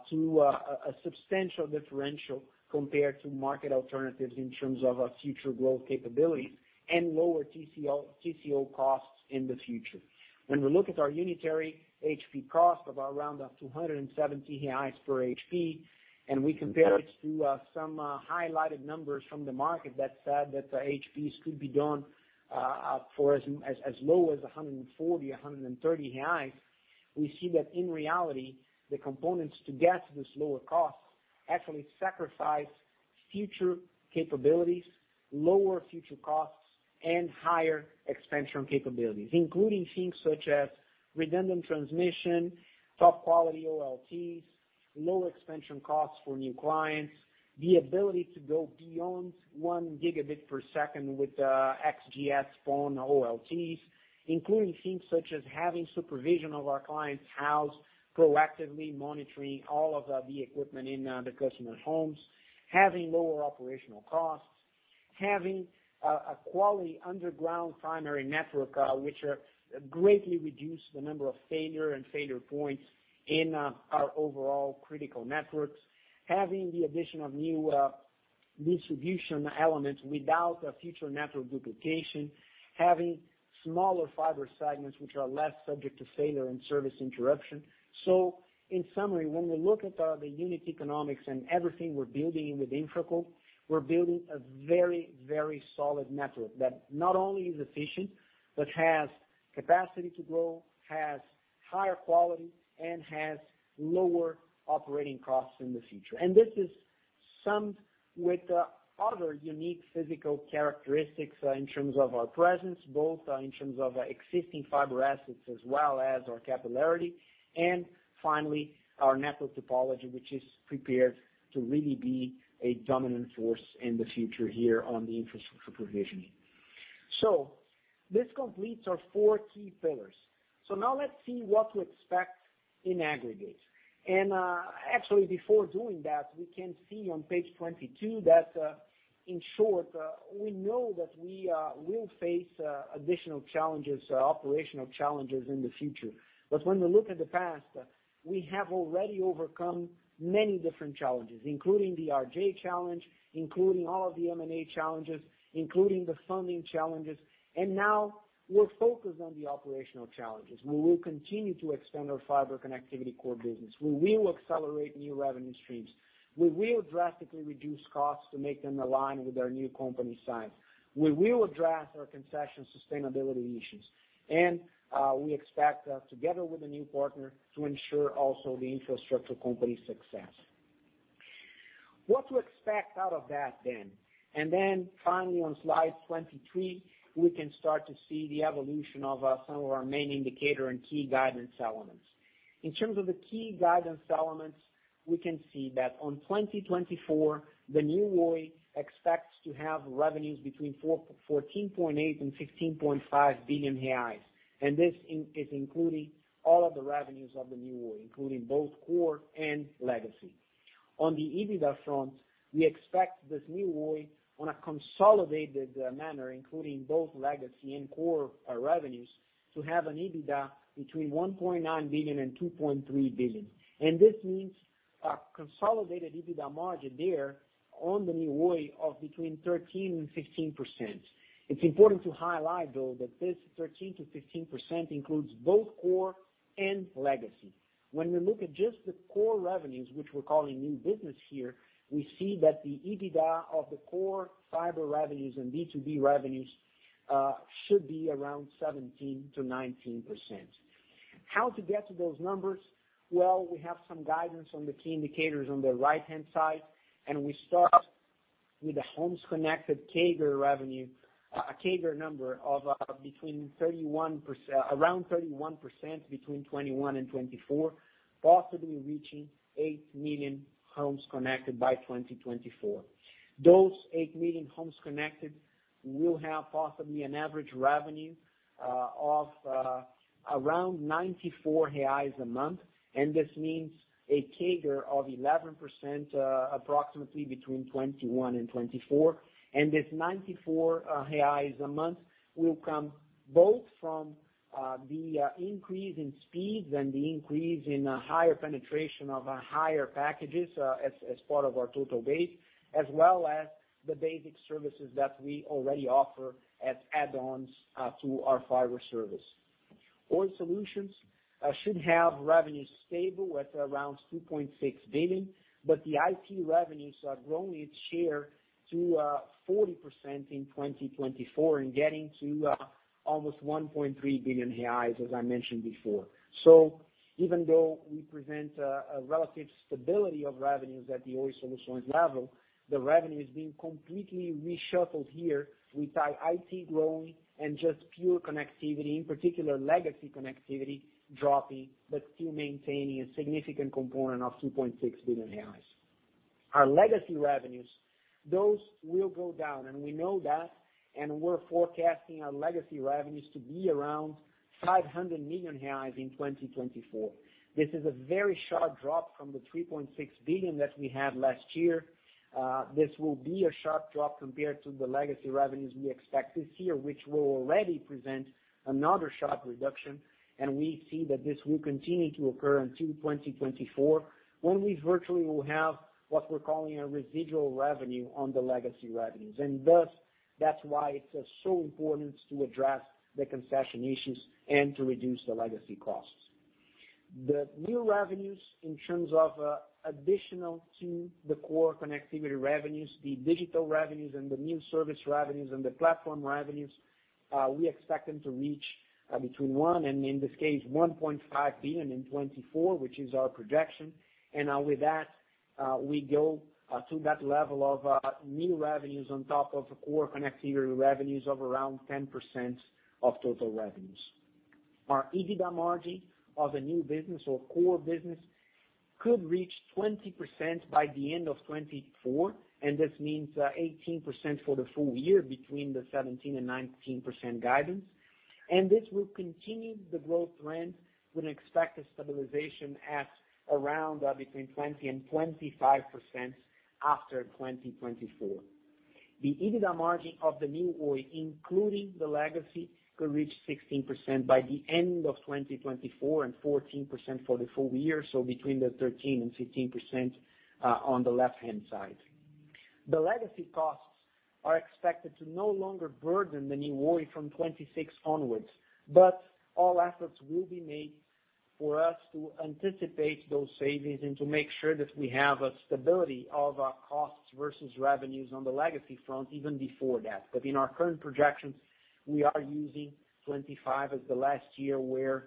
[SPEAKER 2] to a substantial differential compared to market alternatives in terms of our future growth capabilities and lower TCO costs in the future. When we look at our unitary HP cost of around 270 per HP, and we compare it to some highlighted numbers from the market that said that HPs could be done for as low as 140, 130 reais, we see that in reality, the components to get to this lower cost actually sacrifice future capabilities, lower future costs, and higher expansion capabilities, including things such as redundant transmission, top-quality OLTs, low expansion costs for new clients, the ability to go beyond 1 gigabit per second with XGS-PON OLTs. Including things such as having supervision of our client's house, proactively monitoring all of the equipment in the customer's homes, having lower operational costs, having a quality underground primary network, which greatly reduce the number of failure and failure points in our overall critical networks. Having the addition of new distribution elements without future network duplication, having smaller fiber segments, which are less subject to failure and service interruption. In summary, when we look at the unit economics and everything we're building with InfraCo, we're building a very solid network that not only is efficient, but has capacity to grow, has higher quality, and has lower operating costs in the future. This is summed with other unique physical characteristics in terms of our presence, both in terms of existing fiber assets as well as our capillarity, and finally, our network topology, which is prepared to really be a dominant force in the future here on the infrastructure provisioning. This completes our four key pillars. Now let's see what to expect in aggregate. Actually, before doing that, we can see on page 22 that, in short, we know that we will face additional operational challenges in the future. When we look at the past, we have already overcome many different challenges, including the RJ challenge, including all of the M&A challenges, including the funding challenges. Now we're focused on the operational challenges. We will continue to expand our fiber connectivity core business. We will accelerate new revenue streams. We will drastically reduce costs to make them align with our new company size. We will address our concession sustainability issues. We expect, together with a new partner, to ensure also the infrastructure company's success. What to expect out of that then? Finally, on slide 23, we can start to see the evolution of some of our main indicator and key guidance elements. In terms of the key guidance elements, we can see that on 2024, the New Oi expects to have revenues between 14.8 billion and 15.5 billion reais. This is including all of the revenues of the New Oi, including both core and legacy. On the EBITDA front, we expect this New Oi, on a consolidated manner, including both legacy and core revenues, to have an EBITDA between 1.9 billion and 2.3 billion. This means a consolidated EBITDA margin there on the New Oi of between 13% and 15%. It's important to highlight, though, that this 13%-15% includes both core and legacy. When we look at just the core revenues, which we're calling new business here, we see that the EBITDA of the core fiber revenues and B2B revenues should be around 17%-19%. How to get to those numbers? Well, we have some guidance on the key indicators on the right-hand side. We start with the homes connected CAGR revenue, a CAGR number of around 31% between 2021 and 2024, possibly reaching 8 million homes connected by 2024. Those 8 million homes connected will have possibly an average revenue of around 94 reais a month, and this means a CAGR of 11% approximately between 2021 and 2024. This 94 reais a month will come both from the increase in speeds and the increase in higher penetration of higher packages as part of our total base, as well as the basic services that we already offer as add-ons to our fiber service. Oi Soluções should have revenues stable at around 2.6 billion. The IT revenues are growing its share to 40% in 2024 and getting to almost 1.3 billion reais, as I mentioned before. Even though we present a relative stability of revenues at the Oi Soluções level, the revenue is being completely reshuffled here with IT growing and just pure connectivity, in particular legacy connectivity, dropping but still maintaining a significant component of 2.6 billion reais. Our legacy revenues, those will go down, and we know that, and we're forecasting our legacy revenues to be around 500 million reais in 2024. This is a very sharp drop from the 3.6 billion that we had last year. This will be a sharp drop compared to the legacy revenues we expect this year, which will already present another sharp reduction. We see that this will continue to occur until 2024, when we virtually will have what we are calling a residual revenue on the legacy revenues. Thus, that is why it is so important to address the concession issues and to reduce the legacy costs. The new revenues, in terms of additional to the core connectivity revenues, the digital revenues and the new service revenues and the platform revenues, we expect them to reach between 1 billion and 1.5 billion in 2024, which is our projection. With that, we go to that level of new revenues on top of core connectivity revenues of around 10% of total revenues. Our EBITDA margin of the new business or core business could reach 20% by the end of 2024. This means 18% for the full year between the 17% and 19% guidance. This will continue the growth trend. We'd expect a stabilization at around between 20% and 25% after 2024. The EBITDA margin of the New Oi, including the legacy, could reach 16% by the end of 2024 and 14% for the full year, between the 13% and 15% on the left-hand side. The legacy costs are expected to no longer burden the New Oi from 2026 onwards. All efforts will be made for us to anticipate those savings and to make sure that we have a stability of our costs versus revenues on the legacy front, even before that. In our current projections, we are using 2025 as the last year where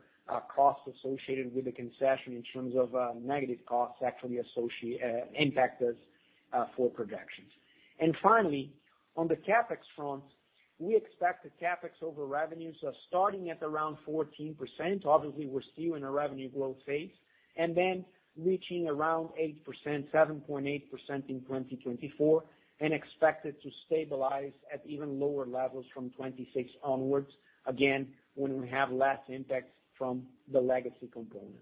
[SPEAKER 2] costs associated with the concession in terms of negative costs actually impact us for projections. Finally, on the CapEx front, we expect the CapEx over revenues starting at around 14%. Obviously, we're still in a revenue growth phase. Then reaching around 8%, 7.8% in 2024, and expect it to stabilize at even lower levels from 2026 onwards, again, when we have less impact from the legacy component.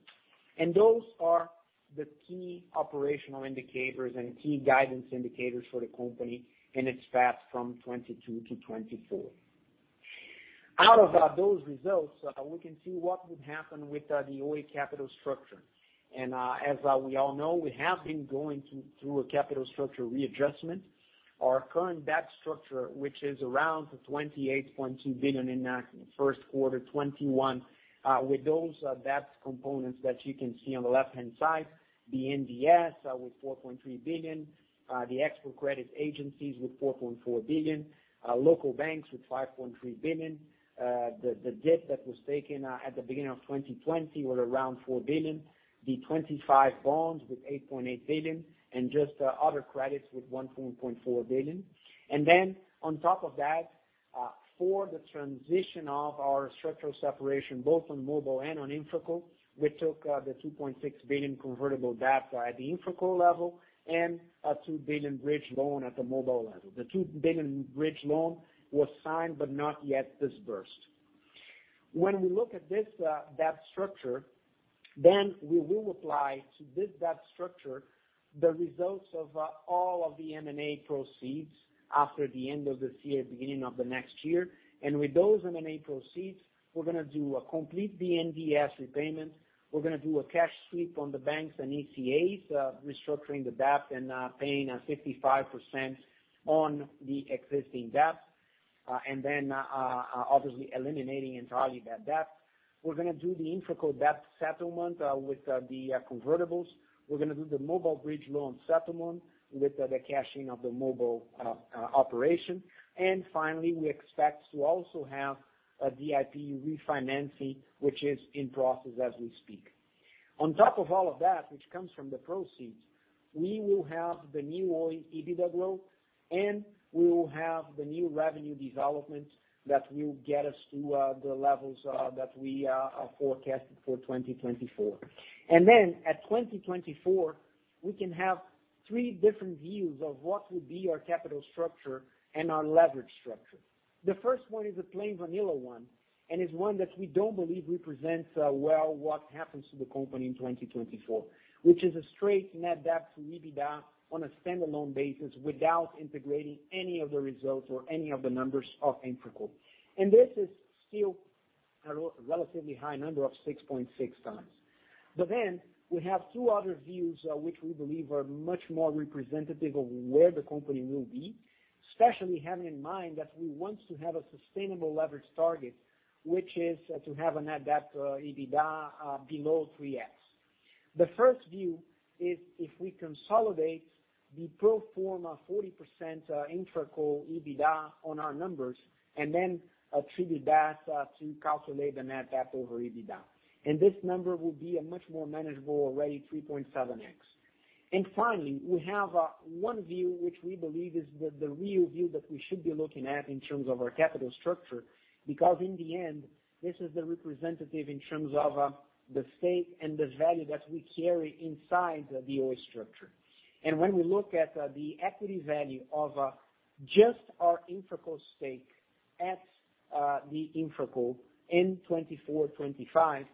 [SPEAKER 2] Those are the key operational indicators and key guidance indicators for the company in its path from 2022 to 2024. Out of those results, we can see what would happen with the Oi capital structure. As we all know, we have been going through a capital structure readjustment. Our current debt structure, which is around 28.2 billion in first quarter 2021. With those debt components that you can see on the left-hand side, the BNDES with 4.3 billion, the export credit agencies with 4.4 billion, local banks with 5.3 billion. The debt that was taken at the beginning of 2020 was around 4 billion, the 2025 bonds with 8.8 billion, and just other credits with 1.4 billion. On top of that, for the transition of our structural separation, both on Mobile and on InfraCo, we took the 2.6 billion convertible debt at the InfraCo level and a 2 billion bridge loan at the Mobile level. The 2 billion bridge loan was signed but not yet disbursed. When we look at this debt structure, we will apply to this debt structure the results of all of the M&A proceeds after the end of this year, beginning of the next year. With those M&A proceeds, we're going to do a complete BNDES repayment. We're going to do a cash sweep on the banks and ECAs, restructuring the debt and paying a 55% on the existing debt. Then, obviously eliminating entirely that debt. We're going to do the InfraCo debt settlement with the convertibles. We're going to do the Mobile bridge loan settlement with the cashing of the Mobile operation. Finally, we expect to also have a DIP refinancing, which is in process as we speak. On top of all of that, which comes from the proceeds, we will have the New Oi EBITDA, and we will have the new revenue development that will get us to the levels that we are forecasting for 2024. Then at 2024, we can have three different views of what will be our capital structure and our leverage structure. The first one is a plain vanilla one, is one that we don't believe represents well what happens to the company in 2024, which is a straight net debt to EBITDA on a standalone basis without integrating any of the results or any of the numbers of InfraCo. This is still a relatively high number of 6.6x. We have two other views which we believe are much more representative of where the company will be. Especially having in mind that we want to have a sustainable leverage target, which is to have a net debt EBITDA below 3x. The first view is if we consolidate the pro forma 40% InfraCo EBITDA on our numbers and then attribute that to calculate the net debt over EBITDA. This number will be a much more manageable, already 3.7x. Finally, we have one view, which we believe is the real view that we should be looking at in terms of our capital structure, because in the end, this is the representative in terms of the stake and the value that we carry inside the Oi structure. When we look at the equity value of just our InfraCo stake at the InfraCo in 2024, 2025,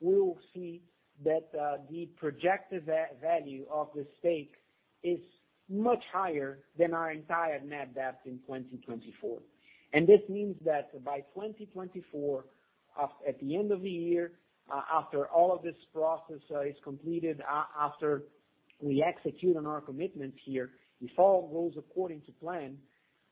[SPEAKER 2] we will see that the projected value of the stake is much higher than our entire net debt in 2024. This means that by 2024, at the end of the year, after all of this process is completed, after we execute on our commitments here, if all goes according to plan,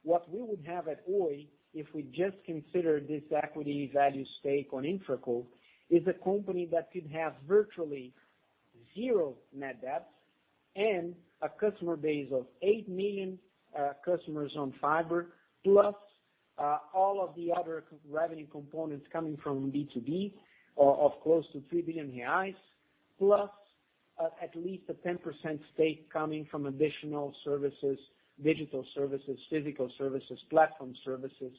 [SPEAKER 2] what we would have at Oi, if we just consider this equity value stake on InfraCo, is a company that could have virtually zero net debt and a customer base of 8 million customers on fiber, plus all of the other revenue components coming from B2B of close to 3 billion reais, plus at least a 10% stake coming from additional services, digital services, physical services, platform services,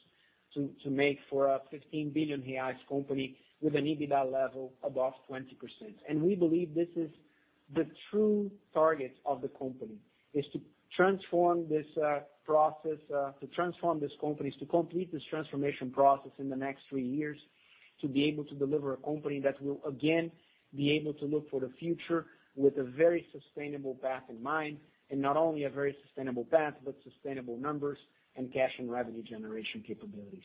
[SPEAKER 2] to make for a 15 billion reais company with an EBITDA level above 20%. We believe this is the true target of the company, is to complete this transformation process in the next three years to be able to deliver a company that will again be able to look for the future with a very sustainable path in mind. Not only a very sustainable path, but sustainable numbers and cash and revenue generation capabilities.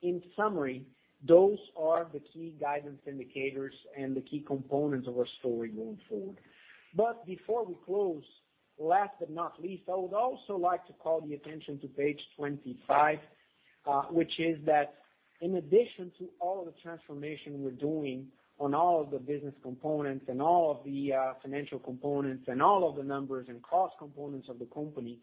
[SPEAKER 2] In summary, those are the key guidance indicators and the key components of our story going forward. Before we close, last but not least, I would also like to call the attention to page 25, which is that in addition to all of the transformation we're doing on all of the business components and all of the financial components and all of the numbers and cost components of the company,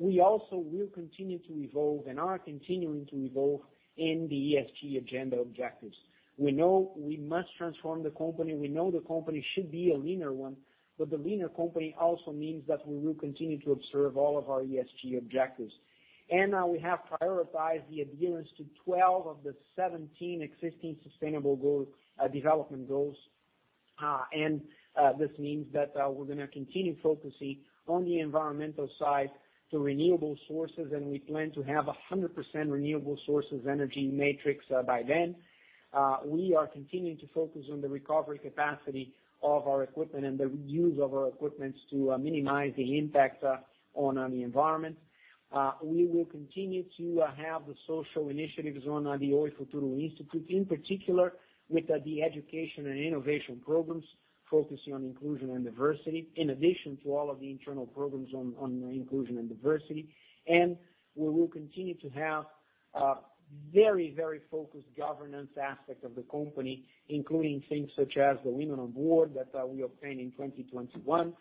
[SPEAKER 2] we also will continue to evolve and are continuing to evolve in the ESG agenda objectives. We know we must transform the company. We know the company should be a leaner one, but the leaner company also means that we will continue to observe all of our ESG objectives. We have prioritized the adherence to 12 of the 17 existing Sustainable Development Goals. This means that we're going to continue focusing on the environmental side to renewable sources, and we plan to have 100% renewable sources energy matrix by then. We are continuing to focus on the recovery capacity of our equipment and the use of our equipment to minimize the impact on the environment. We will continue to have the social initiatives on the Oi Futuro Institute, in particular with the education and innovation programs focusing on inclusion and diversity, in addition to all of the internal programs on inclusion and diversity. We will continue to have a very focused governance aspect of the company, including things such as the Women on Board that we obtained in 2021.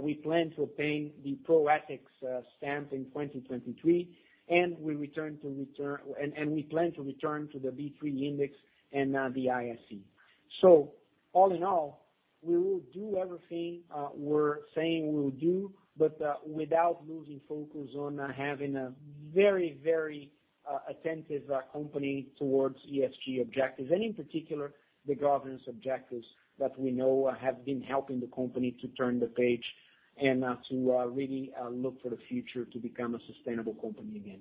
[SPEAKER 2] We plan to obtain the Pró-Ética stamp in 2023. We plan to return to the B3 index and the ISE. All in all, we will do everything we're saying we will do, but without losing focus on having a very attentive company towards ESG objectives, and in particular, the governance objectives that we know have been helping the company to turn the page and to really look for the future to become a sustainable company again.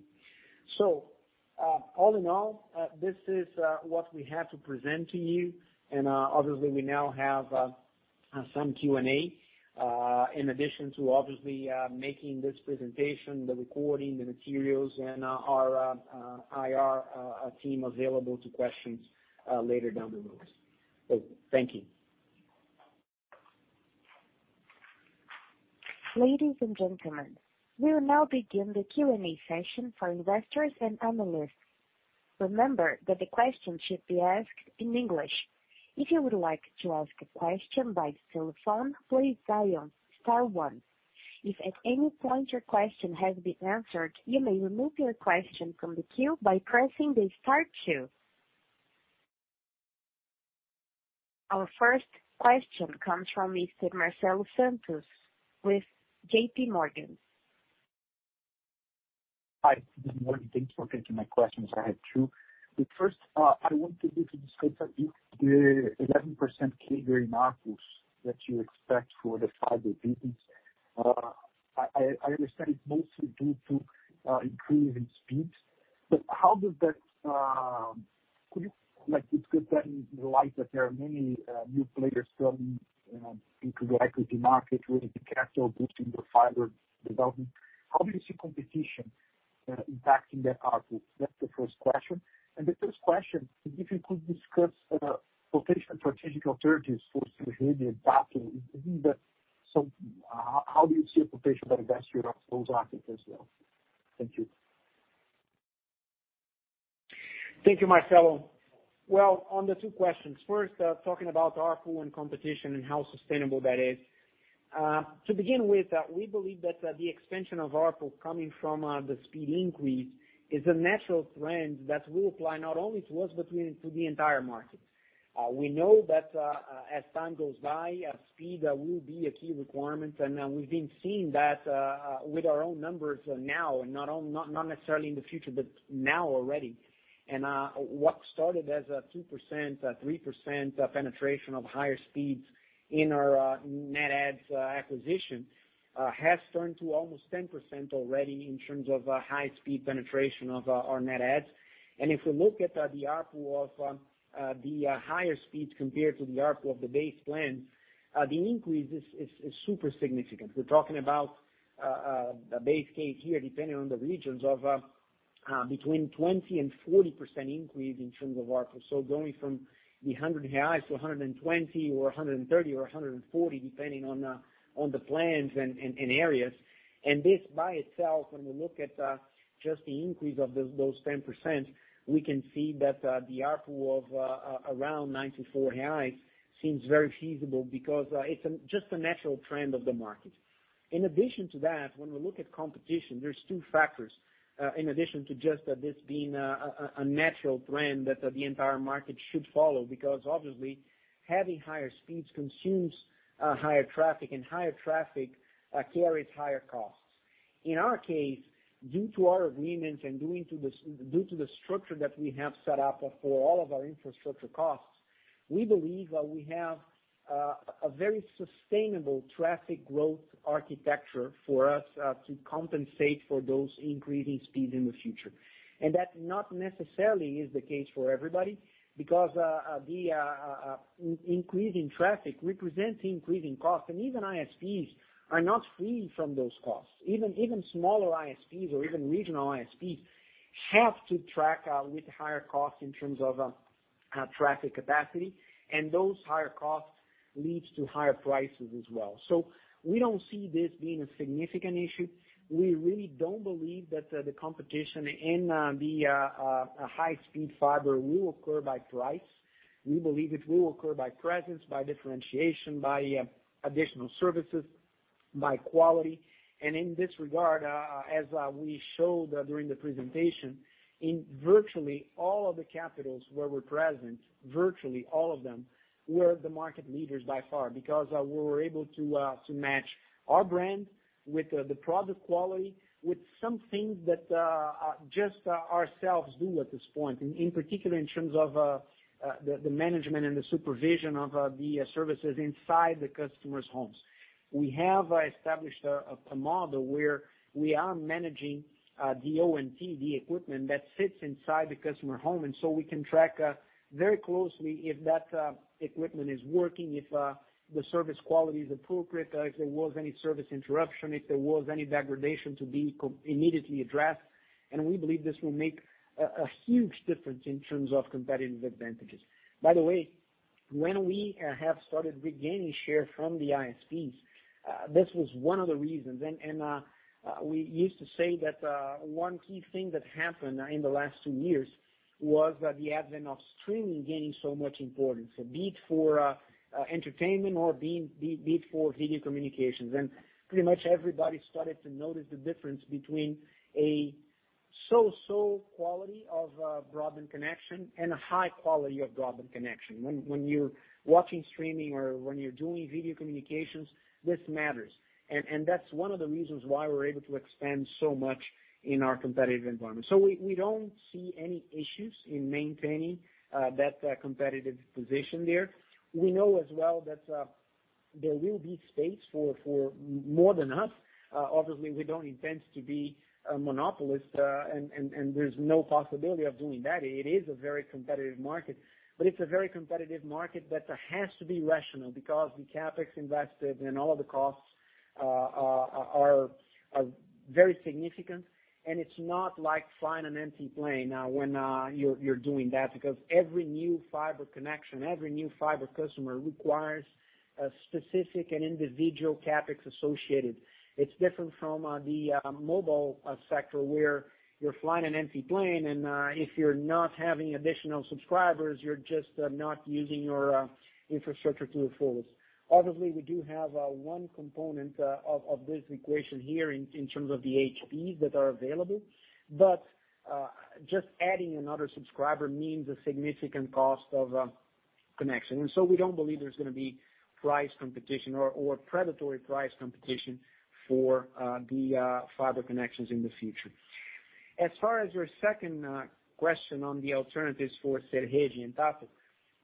[SPEAKER 2] All in all, this is what we have to present to you. Obviously, we now have some Q&A, in addition to obviously, making this presentation, the recording, the materials, and our IR team available to questions later down the road. Thank you.
[SPEAKER 1] Ladies and gentlemen, we will now begin the Q&A session for investors and analysts. Remember that the question should be asked in English. If you would like to ask a question by telephone, please dial star one. If at any point your question has been answered, you may remove your question from the queue by pressing the star two. Our first question comes from Mr. Marcelo Santos with JPMorgan.
[SPEAKER 3] Hi, good morning. Thanks for taking my questions. I have two. The first, I want you to describe the 11% CAGR ARPU that you expect for the fiber business. I understand it's mostly due to increase in speeds. It's good to highlight that there are many new players coming into the equity market with the capital boosting the fiber development. How do you see competition impacting that ARPU? That's the first question. The second question is if you could discuss potential strategic alternatives for Serede after. How do you see a potential investor of those assets as well? Thank you.
[SPEAKER 2] Thank you, Marcelo. Well, on the two questions. First, talking about ARPU and competition and how sustainable that is. To begin with, we believe that the extension of ARPU coming from the speed increase is a natural trend that will apply not only to us, but to the entire market. We know that as time goes by, speed will be a key requirement, and we've been seeing that with our own numbers now, not necessarily in the future, but now already. What started as a 2%-3% penetration of higher speeds in our net adds acquisition, has turned to almost 10% already in terms of high speed penetration of our net adds. If we look at the ARPU of the higher speeds compared to the ARPU of the base plan, the increase is super significant. We're talking about a base case here, depending on the regions, of between 20% and 40% increase in terms of ARPU. Going from 100 reais to 120 or 130 or 140, depending on the plans and areas. This by itself, when we look at just the increase of those 10%, we can see that the ARPU of around 94 seems very feasible because it's just a natural trend of the market. In addition to that, when we look at competition, there's two factors. In addition to just this being a natural trend that the entire market should follow, because obviously having higher speeds consumes higher traffic, and higher traffic carries higher costs. In our case, due to our agreements and due to the structure that we have set up for all of our infrastructure costs, we believe we have a very sustainable traffic growth architecture for us to compensate for those increasing speeds in the future. That not necessarily is the case for everybody, because the increase in traffic represents increasing costs, and even ISPs are not free from those costs. Even smaller ISPs or even regional ISPs have to track with higher costs in terms of traffic capacity, and those higher costs leads to higher prices as well. We don't see this being a significant issue. We really don't believe that the competition in the high-speed fiber will occur by price. We believe it will occur by presence, by differentiation, by additional services, by quality. In this regard, as we showed during the presentation, in virtually all of the capitals where we're present, virtually all of them, we're the market leaders by far, because we were able to match our brand with the product quality, with some things that just ourselves do at this point, in particular, in terms of the management and the supervision of the services inside the customer's homes. We have established a model where we are managing the ONT, the equipment that sits inside the customer home, so we can track very closely if that equipment is working, if the service quality is appropriate, if there was any service interruption, if there was any degradation to be immediately addressed. We believe this will make a huge difference in terms of competitive advantages. By the way, when we have started regaining share from the ISPs, this was one of the reasons. We used to say that one key thing that happened in the last two years was the advent of streaming gaining so much importance, be it for entertainment or be it for video communications. Pretty much everybody started to notice the difference between a so-so quality of a broadband connection and a high quality of broadband connection. When you're watching streaming or when you're doing video communications, this matters. That's one of the reasons why we're able to expand so much in our competitive environment. We don't see any issues in maintaining that competitive position there. We know as well that there will be space for more than us. Obviously, we don't intend to be a monopolist, and there's no possibility of doing that. It is a very competitive market. It's a very competitive market that has to be rational because the CapEx invested and all of the costs are very significant, and it's not like flying an empty plane now when you're doing that, because every new fiber connection, every new fiber customer requires a specific and individual CapEx associated. It's different from the mobile sector where you're flying an empty plane, and if you're not having additional subscribers, you're just not using your infrastructure to the fullest. Obviously, we do have 1 component of this equation here in terms of the HPs that are available. Just adding another subscriber means a significant cost of connection. We don't believe there's going to be price competition or predatory price competition for the fiber connections in the future. As far as your second question on the alternatives for Serede and Tahto,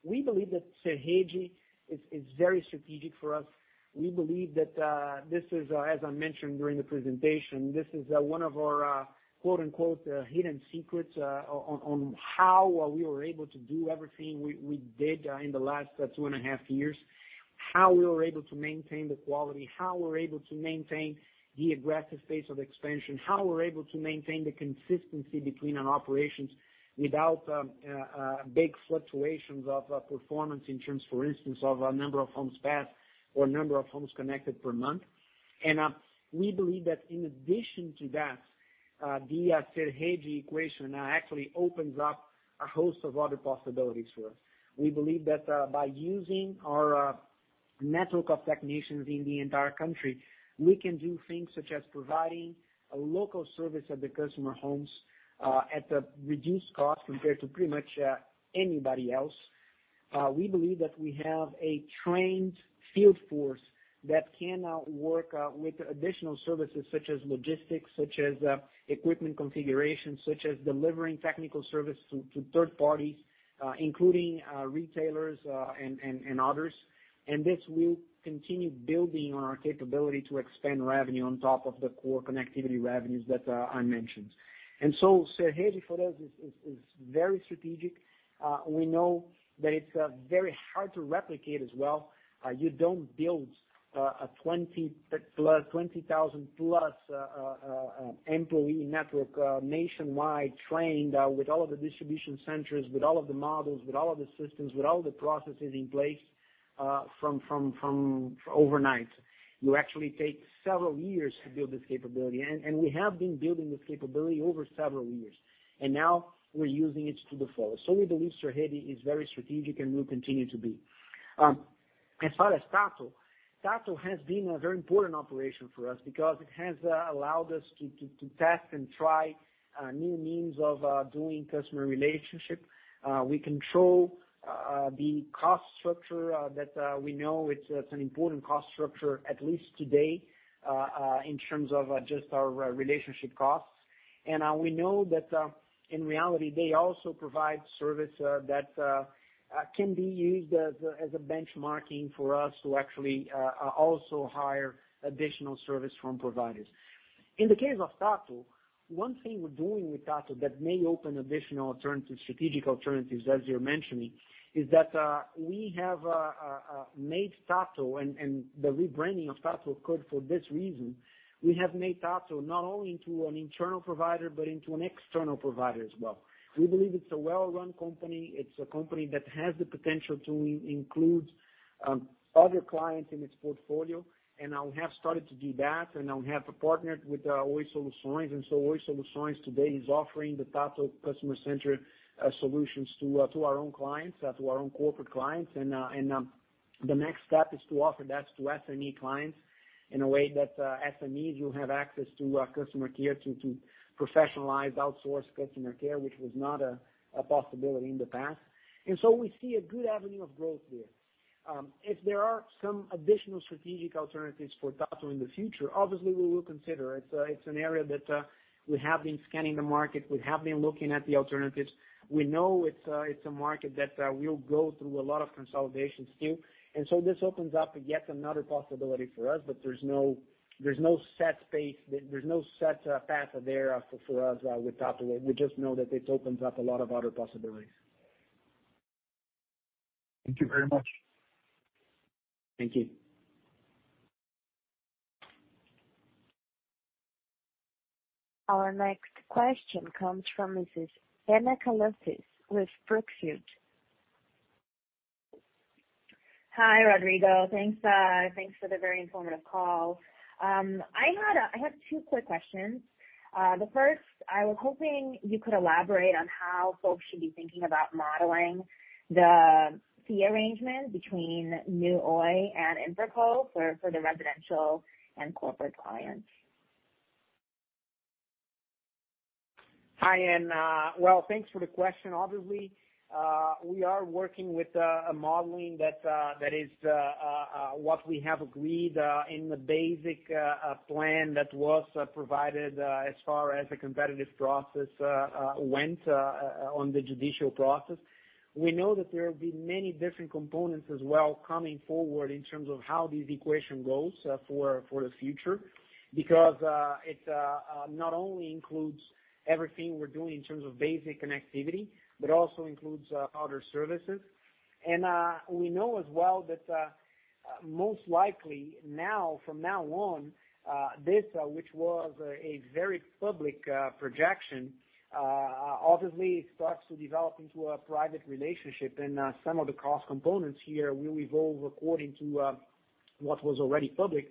[SPEAKER 2] we believe that Serede is very strategic for us. We believe that, as I mentioned during the presentation, this is one of our "hidden secrets" on how we were able to do everything we did in the last two and a half years, how we were able to maintain the quality, how we were able to maintain the aggressive pace of expansion, how we were able to maintain the consistency between our operations without big fluctuations of performance in terms, for instance, of number of homes passed or number of homes connected per month. We believe that in addition to that, the Serede equation now actually opens up a host of other possibilities for us. We believe that by using our network of technicians in the entire country, we can do things such as providing a local service at the customer homes at a reduced cost compared to pretty much anybody else. We believe that we have a trained field force that can now work with additional services such as logistics, such as equipment configuration, such as delivering technical service to third parties, including retailers and others. This will continue building on our capability to expand revenue on top of the core connectivity revenues that I mentioned. Serede for us is very strategic. We know that it's very hard to replicate as well. You don't build a 20,000+ employee network nationwide, trained with all of the distribution centers, with all of the models, with all of the systems, with all the processes in place overnight. You actually take several years to build this capability, and we have been building this capability over several years, and now we're using it to the fullest. We believe Serede is very strategic and will continue to be. As far as Tahto has been a very important operation for us because it has allowed us to test and try new means of doing customer relationship. We control the cost structure that we know it's an important cost structure, at least today, in terms of just our relationship costs. We know that in reality, they also provide service that can be used as a benchmarking for us to actually also hire additional service from providers. In the case of Tahto, one thing we're doing with Tahto that may open additional strategic alternatives, as you're mentioning, is that we have made Tahto, and the rebranding of Tahto occurred for this reason, we have made Tahto not only into an internal provider but into an external provider as well. We believe it's a well-run company. It's a company that has the potential to include other clients in its portfolio, and we have started to do that, and we have partnered with Oi Soluções. Oi Soluções today is offering the Tahto customer-centric solutions to our own corporate clients. The next step is to offer that to SME clients in a way that SMEs will have access to customer care, to professionalized outsourced customer care, which was not a possibility in the past. We see a good avenue of growth there. If there are some additional strategic alternatives for Tahto in the future, obviously we will consider. It's an area that we have been scanning the market, we have been looking at the alternatives. We know it's a market that will go through a lot of consolidation still. This opens up yet another possibility for us. There's no set path there for us with Tahto. We just know that it opens up a lot of other possibilities.
[SPEAKER 3] Thank you very much.
[SPEAKER 2] Thank you.
[SPEAKER 1] Our next question comes from Mrs. Anna Kalenchits with Brookfield.
[SPEAKER 4] Hi, Rodrigo. Thanks for the very informative call. I have two quick questions. The first, I was hoping you could elaborate on how folks should be thinking about modeling the fee arrangement between New Oi and InfraCo for the residential and corporate clients.
[SPEAKER 2] Hi, Anna. Well, thanks for the question. Obviously, we are working with a modeling that is what we have agreed in the basic plan that was provided as far as the competitive process went on the judicial process. We know that there will be many different components as well coming forward in terms of how this equation goes for the future, because it not only includes everything we're doing in terms of basic connectivity, but also includes other services. We know as well that most likely from now on, this, which was a very public projection, obviously starts to develop into a private relationship, and some of the cost components here will evolve according to what was already public.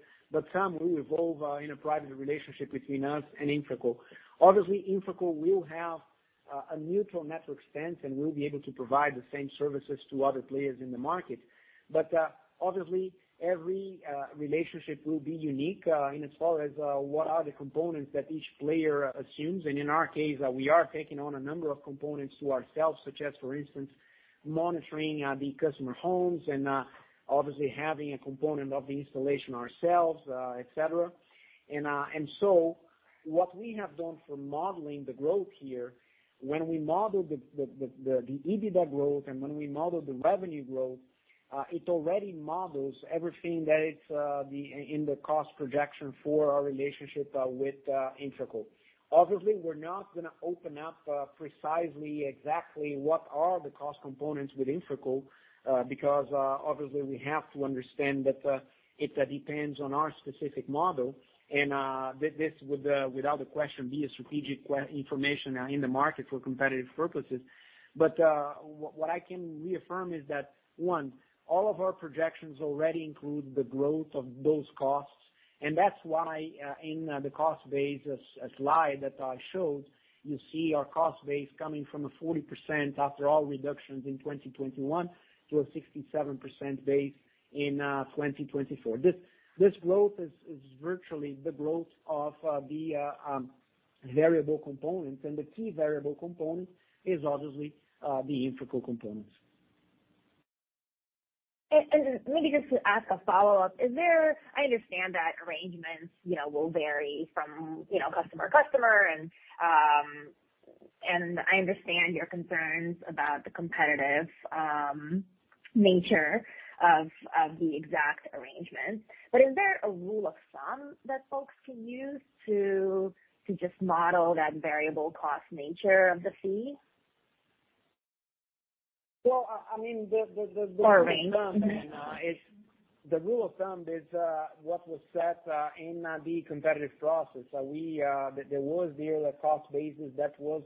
[SPEAKER 2] Some will evolve in a private relationship between us and InfraCo. Obviously, InfraCo will have a neutral network stance, and we'll be able to provide the same services to other players in the market. Obviously, every relationship will be unique as far as what are the components that each player assumes. In our case, we are taking on a number of components to ourselves, such as, for instance, monitoring the customer homes and obviously having a component of the installation ourselves, et cetera. What we have done for modeling the growth here, when we model the EBITDA growth and when we model the revenue growth, it already models everything that is in the cost projection for our relationship with InfraCo. Obviously, we're not going to open up precisely exactly what are the cost components with InfraCo, because obviously we have to understand that it depends on our specific model, and this would, without a question, be a strategic information in the market for competitive purposes. What I can reaffirm is that, one, all of our projections already include the growth of those costs, and that's why in the cost base slide that I showed, you see our cost base coming from a 40% after all reductions in 2021 to a 67% base in 2024. This growth is virtually the growth of the variable component, and the key variable component is obviously the InfraCo component.
[SPEAKER 4] Maybe just to ask a follow-up. I understand that arrangements will vary from customer to customer, and I understand your concerns about the competitive nature of the exact arrangement, but is there a rule of thumb that folks can use to just model that variable cost nature of the fee?
[SPEAKER 2] Well, the rule of thumb is what was set in the competitive process. There was the cost basis that was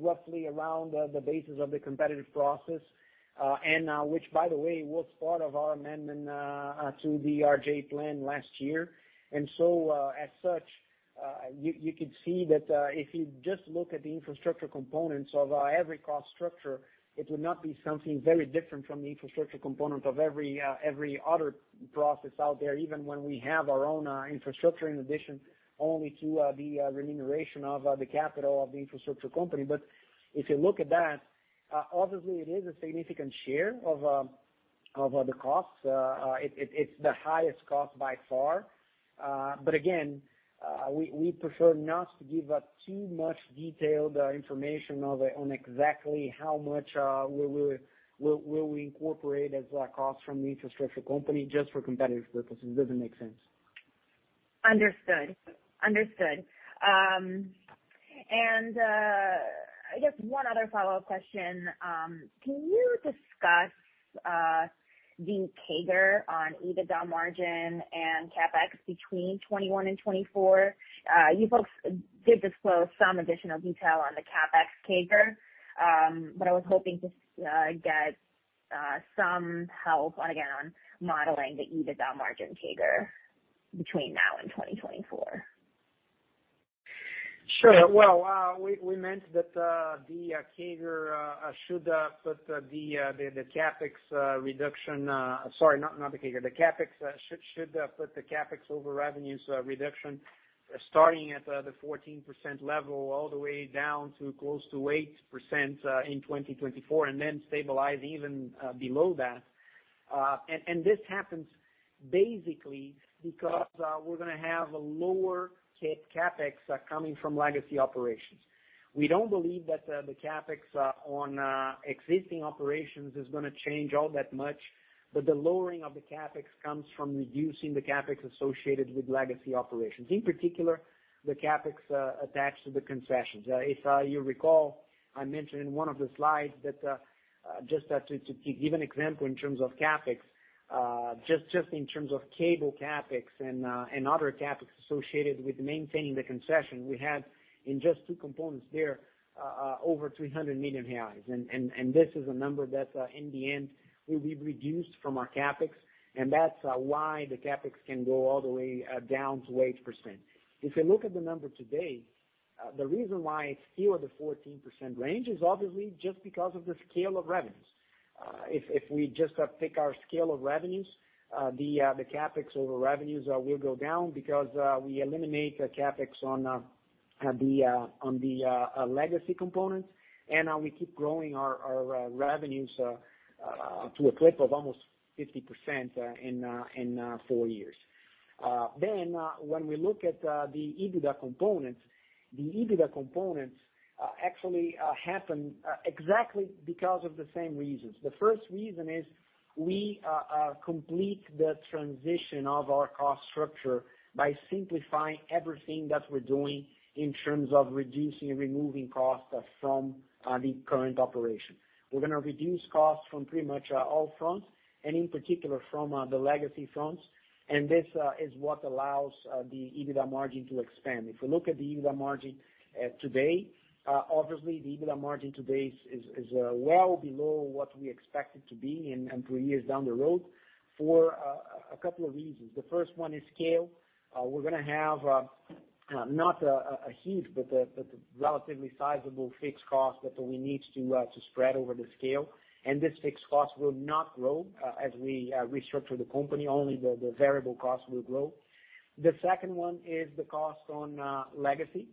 [SPEAKER 2] roughly around the basis of the competitive process, which, by the way, was part of our amendment to the RJ plan last year. As such, you could see that if you just look at the infrastructure components of every cost structure, it would not be something very different from the infrastructure component of every other process out there, even when we have our own infrastructure in addition only to the remuneration of the capital of the infrastructure company. If you look at that, obviously it is a significant share of the cost. It's the highest cost by far. Again, we prefer not to give up too much detailed information on exactly how much will we incorporate as a cost from the infrastructure company just for competitive purposes. It doesn't make sense.
[SPEAKER 4] Understood. Just one other follow-up question. Can you discuss the CAGR on EBITDA margin and CapEx between 2021 and 2024? You folks did disclose some additional detail on the CapEx CAGR, but I was hoping to get some help, again, on modeling the EBITDA margin CAGR between now and 2024.
[SPEAKER 2] Sure. Well, we mentioned that the CAGR should put the CapEx reduction-- sorry, not the CAGR. The CapEx should put the CapEx over revenues reduction starting at the 14% level all the way down to close to 8% in 2024, and then stabilize even below that. This happens basically because we're going to have a lower CapEx coming from legacy operations. We don't believe that the CapEx on existing operations is going to change all that much, but the lowering of the CapEx comes from reducing the CapEx associated with legacy operations, in particular, the CapEx attached to the concessions. If you recall, I mentioned in one of the slides that just to give an example in terms of CapEx, just in terms of cable CapEx and other CapEx associated with maintaining the concession, we had in just two components there, over 300 million reais. This is a number that, in the end, will be reduced from our CapEx, and that's why the CapEx can go all the way down to 8%. If you look at the number today, the reason why it's still at the 14% range is obviously just because of the scale of revenues. If we just take our scale of revenues, the CapEx over revenues will go down because we eliminate CapEx on the legacy components, and we keep growing our revenues to a clip of almost 50% in four years. When we look at the EBITDA components, the EBITDA components actually happen exactly because of the same reasons. The first reason is we complete the transition of our cost structure by simplifying everything that we're doing in terms of reducing and removing costs from the current operation. We're going to reduce costs from pretty much all fronts, and in particular from the legacy fronts, and this is what allows the EBITDA margin to expand. If we look at the EBITDA margin today, obviously the EBITDA margin today is well below what we expect it to be in three years down the road for a couple of reasons. The first one is scale. We're going to have-Not a heave, but a relatively sizable fixed cost that we need to spread over the scale. This fixed cost will not grow as we restructure the company. Only the variable cost will grow. The second one is the cost on legacy,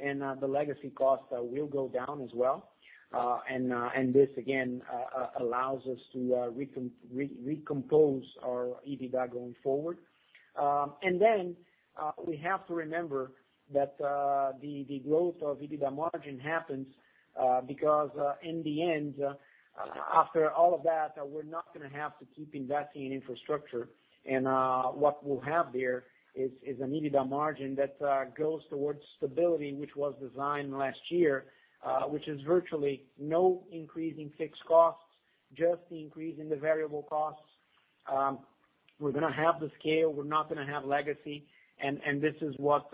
[SPEAKER 2] and the legacy cost will go down as well. This, again, allows us to recompose our EBITDA going forward. We have to remember that the growth of EBITDA margin happens because, in the end, after all of that, we're not going to have to keep investing in infrastructure. What we'll have there is an EBITDA margin that goes towards stability, which was designed last year, which is virtually no increase in fixed costs, just the increase in the variable costs. We're going to have the scale. We're not going to have legacy. This is what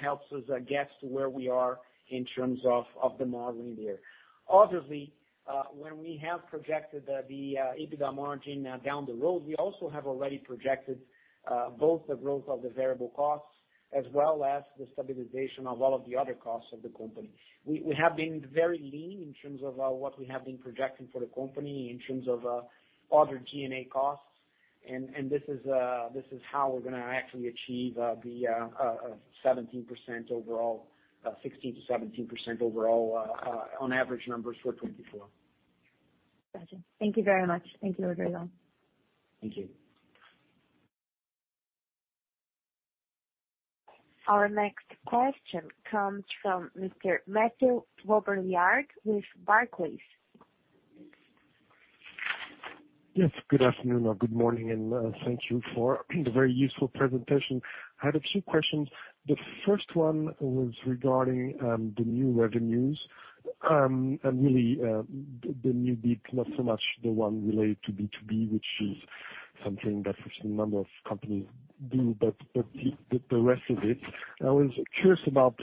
[SPEAKER 2] helps us get to where we are in terms of the modeling there. Obviously, when we have projected the EBITDA margin down the road, we also have already projected both the growth of the variable costs as well as the stabilization of all of the other costs of the company. We have been very lean in terms of what we have been projecting for the company in terms of other G&A costs. This is how we're going to actually achieve the 16%-17% overall on average numbers for 2024.
[SPEAKER 4] Got you. Thank you very much. Thank you, Rodrigo.
[SPEAKER 2] Thank you.
[SPEAKER 1] Our next question comes from Mr. Mathieu Robilliard with Barclays.
[SPEAKER 5] Yes, good afternoon or good morning. Thank you for the very useful presentation. I had a few questions. The first one was regarding the new revenues, and really, the new bit, not so much the one related to B2B, which is something that a number of companies do, but the rest of it. I was curious about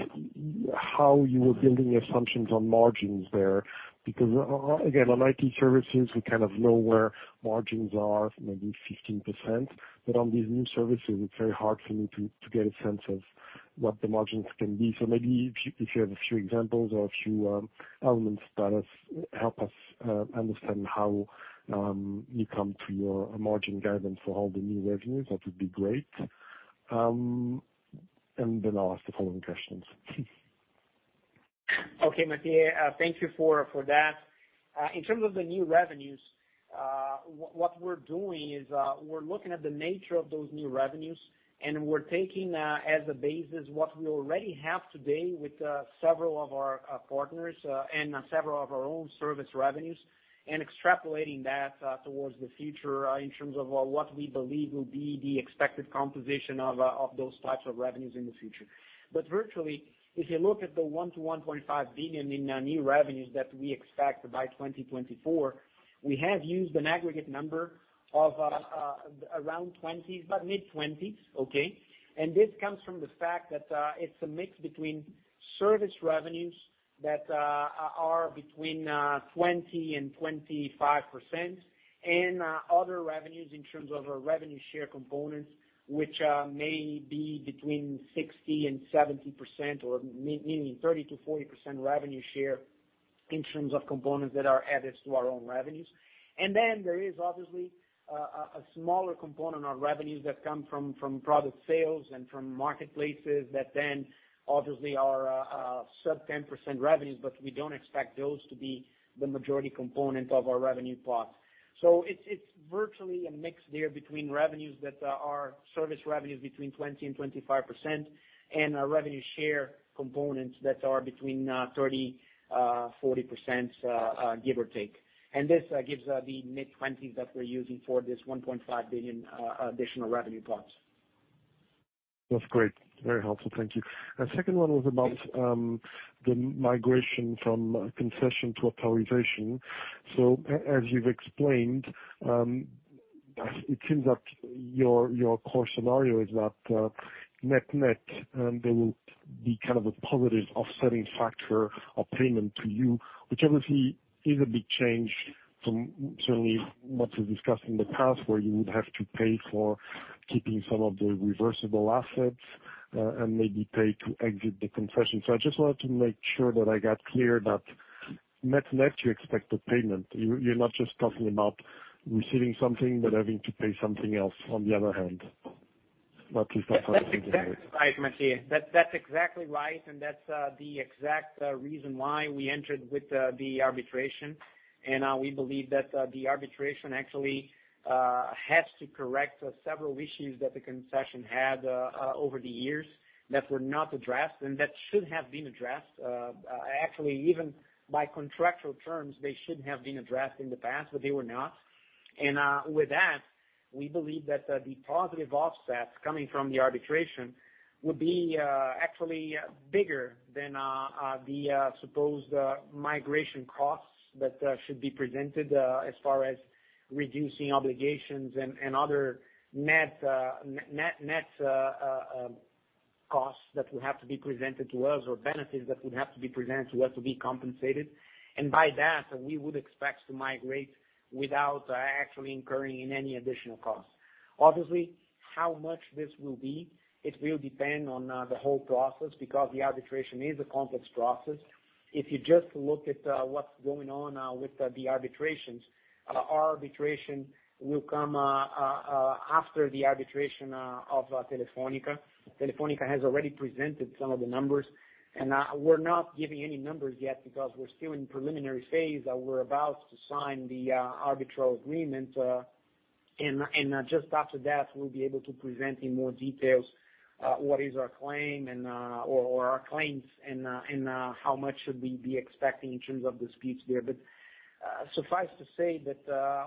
[SPEAKER 5] how you were building your assumptions on margins there. Again, on IT services, we kind of know where margins are, maybe 15%. On these new services, it's very hard for me to get a sense of what the margins can be. Maybe if you have a few examples or a few elements that help us understand how you come to your margin guidance for all the new revenues, that would be great. I'll ask the following questions.
[SPEAKER 2] Okay, Mathieu. Thank you for that. In terms of the new revenues, what we're doing is we're looking at the nature of those new revenues, and we're taking as a basis what we already have today with several of our partners and several of our own service revenues, and extrapolating that towards the future in terms of what we believe will be the expected composition of those types of revenues in the future. Virtually, if you look at the 1 billion-1.5 billion in new revenues that we expect by 2024, we have used an aggregate number of around 20s, about mid-20s, okay? This comes from the fact that it's a mix between service revenues that are between 20%-25%, and other revenues in terms of our revenue share components, which may be between 60%-70%, or meaning 30%-40% revenue share in terms of components that are added to our own revenues. There is obviously a smaller component of revenues that come from product sales and from marketplaces that then obviously are sub-10% revenues, but we don't expect those to be the majority component of our revenue pot. It's virtually a mix there between revenues that are service revenues between 20%-25%, and our revenue share components that are between 30%-40%, give or take. This gives the mid-20s that we're using for this 1.5 billion additional revenue pots.
[SPEAKER 5] That's great. Very helpful. Thank you. The second one was about the migration from concession to authorization. As you've explained, it seems that your core scenario is that net net, there will be kind of a positive offsetting factor of payment to you, which obviously is a big change from certainly what you discussed in the past, where you would have to pay for keeping some of the reversible assets, and maybe pay to exit the concession. I just wanted to make sure that I got clear that net net, you expect a payment. You're not just talking about receiving something, but having to pay something else on the other hand. At least that's how I think of it.
[SPEAKER 2] That's exactly right, Mathieu. That's exactly right. That's the exact reason why we entered with the arbitration. We believe that the arbitration actually has to correct several issues that the concession had over the years that were not addressed and that should have been addressed. Actually, even by contractual terms, they should have been addressed in the past. They were not. With that, we believe that the positive offsets coming from the arbitration would be actually bigger than the supposed migration costs that should be presented as far as reducing obligations and other net costs that would have to be presented to us or benefits that would have to be presented to us to be compensated. By that, we would expect to migrate without actually incurring any additional costs. How much this will be, it will depend on the whole process, because the arbitration is a complex process. If you just look at what's going on now with the arbitrations, our arbitration will come after the arbitration of Telefónica. Telefónica has already presented some of the numbers. We're not giving any numbers yet because we're still in preliminary phase. We're about to sign the arbitral agreement. Just after that, we'll be able to present in more details what is our claim or our claims and how much should we be expecting in terms of disputes there. Suffice to say that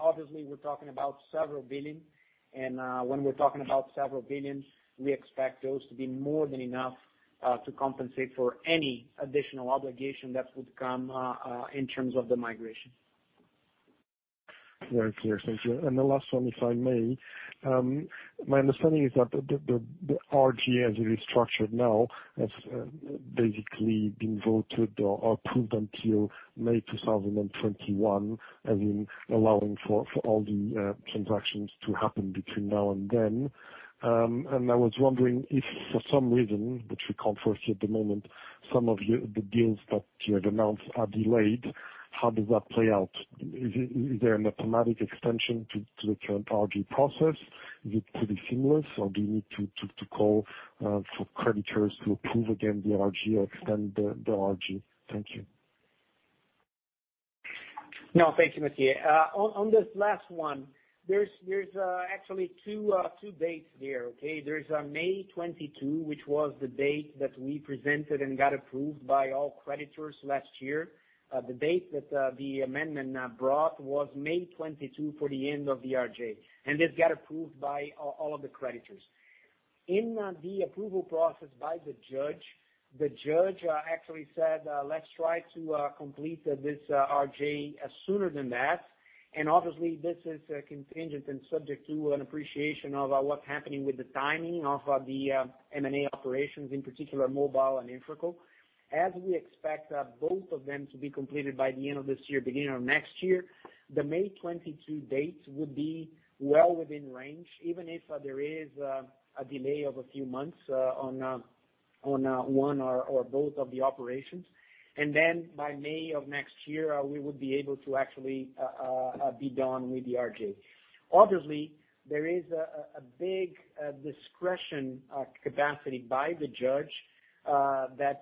[SPEAKER 2] obviously we're talking about several billion. When we're talking about several billions, we expect those to be more than enough to compensate for any additional obligation that would come in terms of the migration.
[SPEAKER 5] Very clear. Thank you. The last one, if I may. My understanding is that the RJ, as it is structured now, has basically been voted or approved until May 2021, as in allowing for all the transactions to happen between now and then. I was wondering if for some reason, which we can't foresee at the moment, some of the deals that you have announced are delayed, how does that play out? Is there an automatic extension to the current RJ process? Is it pretty seamless, or do you need to call for creditors to approve again the RJ or extend the RJ? Thank you.
[SPEAKER 2] No, thank you, Mathieu. On this last one, there's actually 2 dates there, okay. There's May 22, which was the date that we presented and got approved by all creditors last year. The date that the amendment brought was May 22 for the end of the RJ, and this got approved by all of the creditors. In the approval process by the judge, the judge actually said, "Let's try to complete this RJ sooner than that." Obviously this is contingent and subject to an appreciation of what's happening with the timing of the M&A operations, in particular Mobile and InfraCo. As we expect both of them to be completed by the end of this year, beginning of next year, the May 22 date would be well within range, even if there is a delay of a few months on one or both of the operations. By May 2022, we would be able to actually be done with the RJ. Obviously, there is a big discretion capacity by the judge that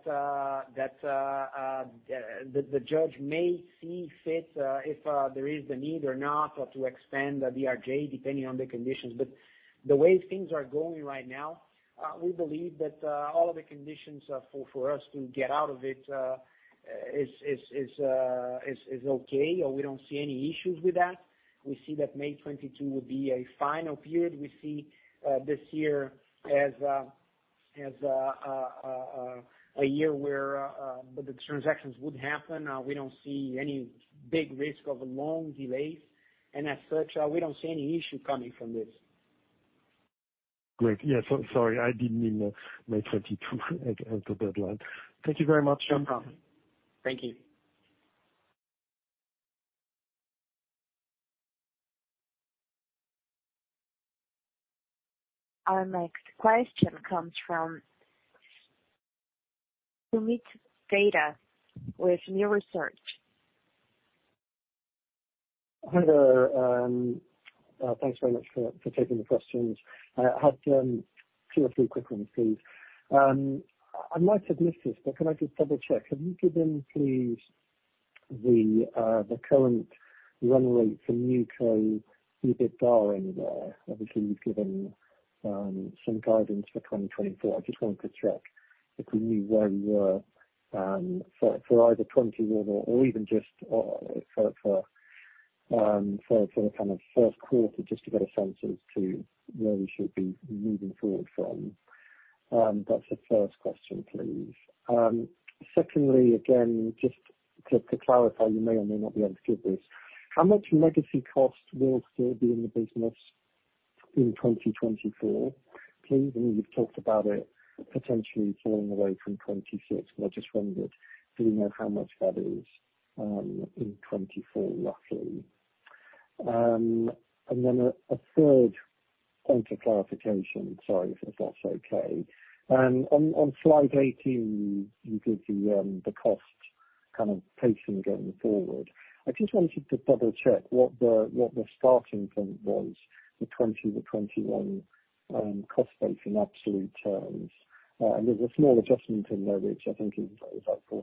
[SPEAKER 2] the judge may see fit if there is the need or not, or to extend the RJ, depending on the conditions. The way things are going right now, we believe that all of the conditions for us to get out of it is okay. We don't see any issues with that. We see that May 2022 would be a final period. We see this year as a year where the transactions would happen. We don't see any big risk of long delays. As such, we don't see any issue coming from this.
[SPEAKER 5] Great. Yeah, sorry, I didn't mean the May 22 as the deadline. Thank you very much.
[SPEAKER 2] Thank you.
[SPEAKER 1] Our next question comes from Soomit Datta with New Street Research.
[SPEAKER 6] Hi there. Thanks very much for taking the questions. I have two or three quick ones, please. I might have missed this, can I just double-check. Can you give me please the current run rate for NewCo EBITDA in there? Obviously, you've given some guidance for 2024. I just wanted to check if we knew where we were for either 2020 or even just for the kind of first quarter, just to get a sense as to where we should be moving forward from. That's the first question, please. Secondly, again, just to clarify, you may or may not be able to give this. How much legacy cost will still be in the business in 2024, please? I know you've talked about it potentially falling away from 2026, I just wondered, do we know how much that is in 2024 roughly? A third point of clarification. Sorry if that's okay. On slide 18, you give the cost kind of pacing going forward. I just wanted to double-check what the starting point was for 2020 to 2021 cost base in absolute terms. There's a small adjustment in there, which I think is about 14% or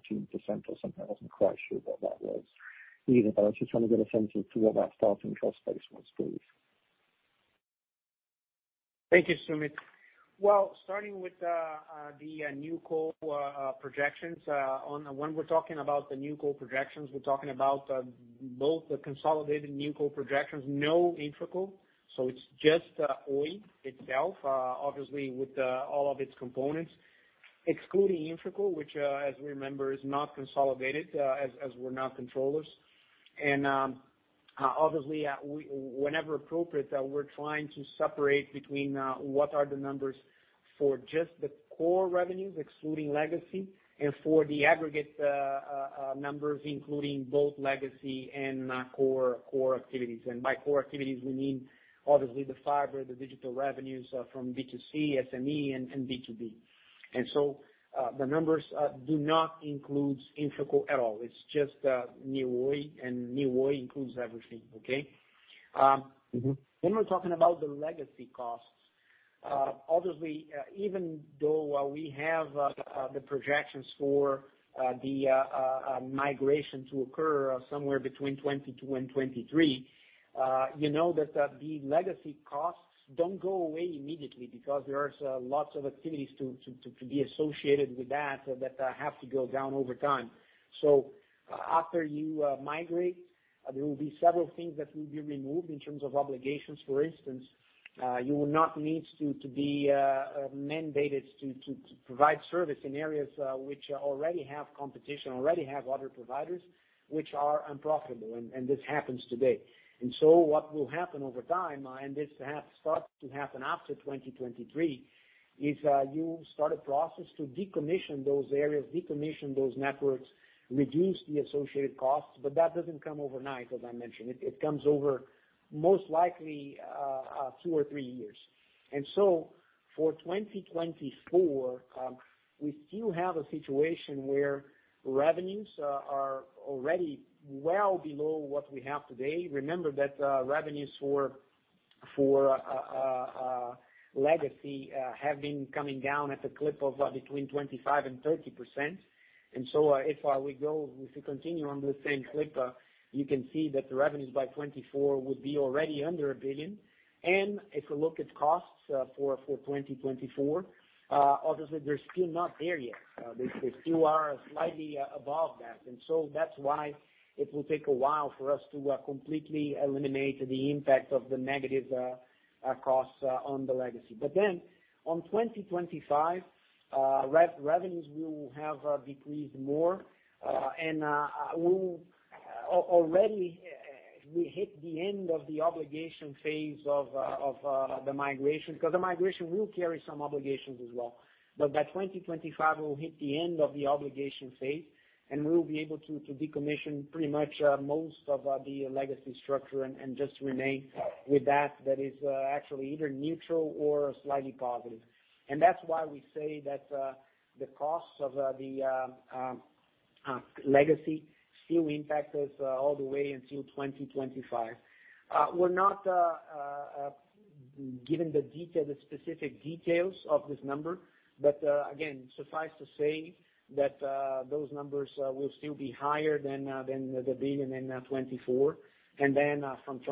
[SPEAKER 6] something. I wasn't quite sure what that was either. I was just trying to get a sense of to what that starting cost base was, please.
[SPEAKER 2] Thank you, Soomit. Well, starting with the New Oi projections. When we're talking about the New Oi projections, we're talking about both the consolidated New Oi projections, no InfraCo. It's just Oi itself, obviously with all of its components, excluding InfraCo, which as we remember, is not consolidated, as we're not controllers. Obviously, whenever appropriate, we're trying to separate between what are the numbers for just the core revenues, excluding legacy, and for the aggregate numbers, including both legacy and core activities. By core activities, we mean obviously the fiber, the digital revenues from B2C, SME, and B2B. The numbers do not include InfraCo at all. It's just New Oi, New Oi includes everything. Okay? When we're talking about the legacy costs, obviously, even though we have the projections for the migration to occur somewhere between 2022 and 2023, you know that the legacy costs don't go away immediately because there are lots of activities to be associated with that have to go down over time. After you migrate, there will be several things that will be removed in terms of obligations. For instance, you will not need to be mandated to provide service in areas which already have competition, already have other providers, which are unprofitable, and this happens today. What will happen over time, and this starts to happen after 2023, is you start a process to decommission those areas, decommission those networks, reduce the associated costs. That doesn't come overnight, as I mentioned. It comes over most likely, two or three years. For 2024, we still have a situation where revenues are already well below what we have today. Remember that revenues for legacy have been coming down at the clip of between 25% and 30%. If we continue on the same clip, you can see that the revenues by 2024 would be already under 1 billion. If you look at costs for 2024, obviously they're still not there yet. They still are slightly above that. That's why it will take a while for us to completely eliminate the impact of the negative costs on the legacy. On 2025, revenues will have decreased more, and already we hit the end of the obligation phase of the migration, because the migration will carry some obligations as well. By 2025, we'll hit the end of the obligation phase, and we'll be able to decommission pretty much most of the legacy structure and just remain with that is actually either neutral or slightly positive. That's why we say that the costs of the legacy still impact us all the way until 2025. We're not giving the specific details of this number. Again, suffice to say that those numbers will still be higher than 1 billion in 2024. From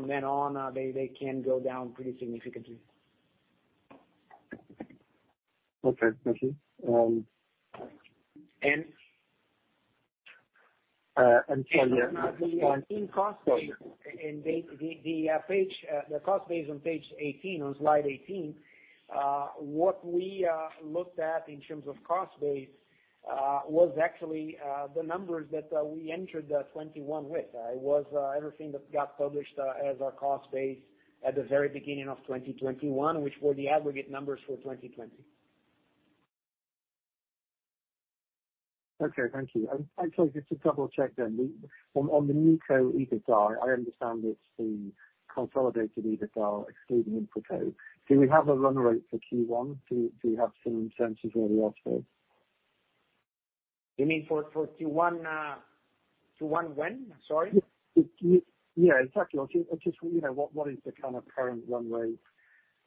[SPEAKER 2] then on, they can go down pretty significantly.
[SPEAKER 6] Okay, thank you.
[SPEAKER 2] In cost base, the cost base on page 18, on slide 18, what we looked at in terms of cost base, was actually the numbers that we entered 2021 with. It was everything that got published as our cost base at the very beginning of 2021, which were the aggregate numbers for 2020.
[SPEAKER 6] Thank you. Actually, just to double-check on the NewCo EBITDA, I understand it's the consolidated EBITDA excluding InfraCo. Do we have a run rate for Q1? Do you have some sense of where we are today?
[SPEAKER 2] You mean for Q1 when, sorry?
[SPEAKER 6] Yeah, exactly. Just what is the current run rate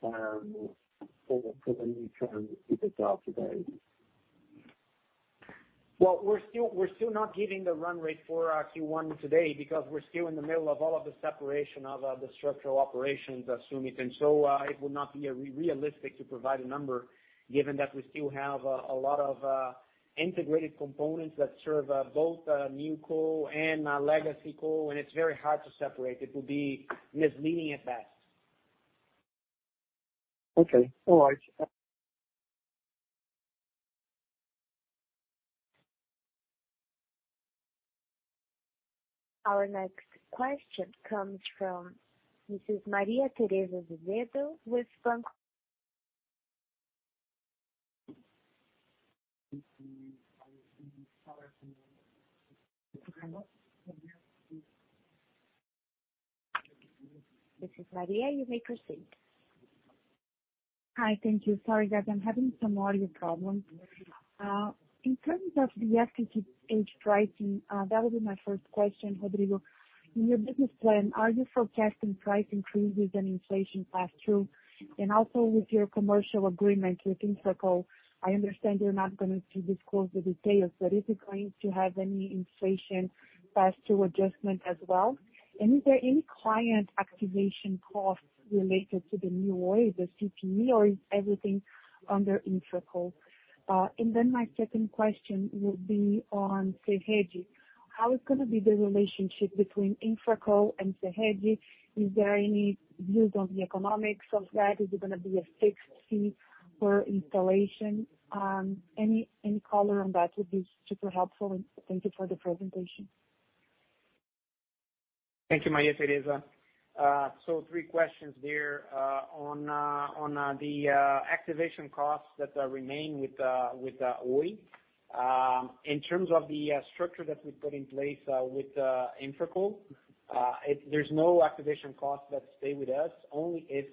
[SPEAKER 6] for the NewCo EBITDA today?
[SPEAKER 2] Well, we're still not giving the run rate for Q1 today because we're still in the middle of all of the separation of the structural operations at Sumit. It would not be realistic to provide a number given that we still have a lot of integrated components that serve both NewCo and LegacyCo, and it's very hard to separate. It will be misleading at best.
[SPEAKER 6] Okay. All right.
[SPEAKER 1] Our next question comes from Mrs. Maria Tereza Azevedo, SoftBank. Mrs. Maria, you may proceed.
[SPEAKER 7] Hi. Thank you. Sorry, guys, I'm having some audio problems. In terms of the FTTH pricing, that would be my first question, Rodrigo. In your business plan, are you forecasting price increases and inflation pass-through? Also with your commercial agreement with InfraCo, I understand you're not going to disclose the details, but is it going to have any inflation pass-through adjustment as well? Is there any client activation costs related to the New Oi, the CPE, or is everything under InfraCo? My second question will be on Serede. How is going to be the relationship between InfraCo and Serede? Is there any views on the economics of that? Is it going to be a fixed fee per installation? Any color on that would be super helpful, and thank you for the presentation.
[SPEAKER 2] Thank you, Maria Tereza. Three questions there on the activation costs that remain with Oi. In terms of the structure that we put in place with InfraCo, there's no activation costs that stay with us. Only if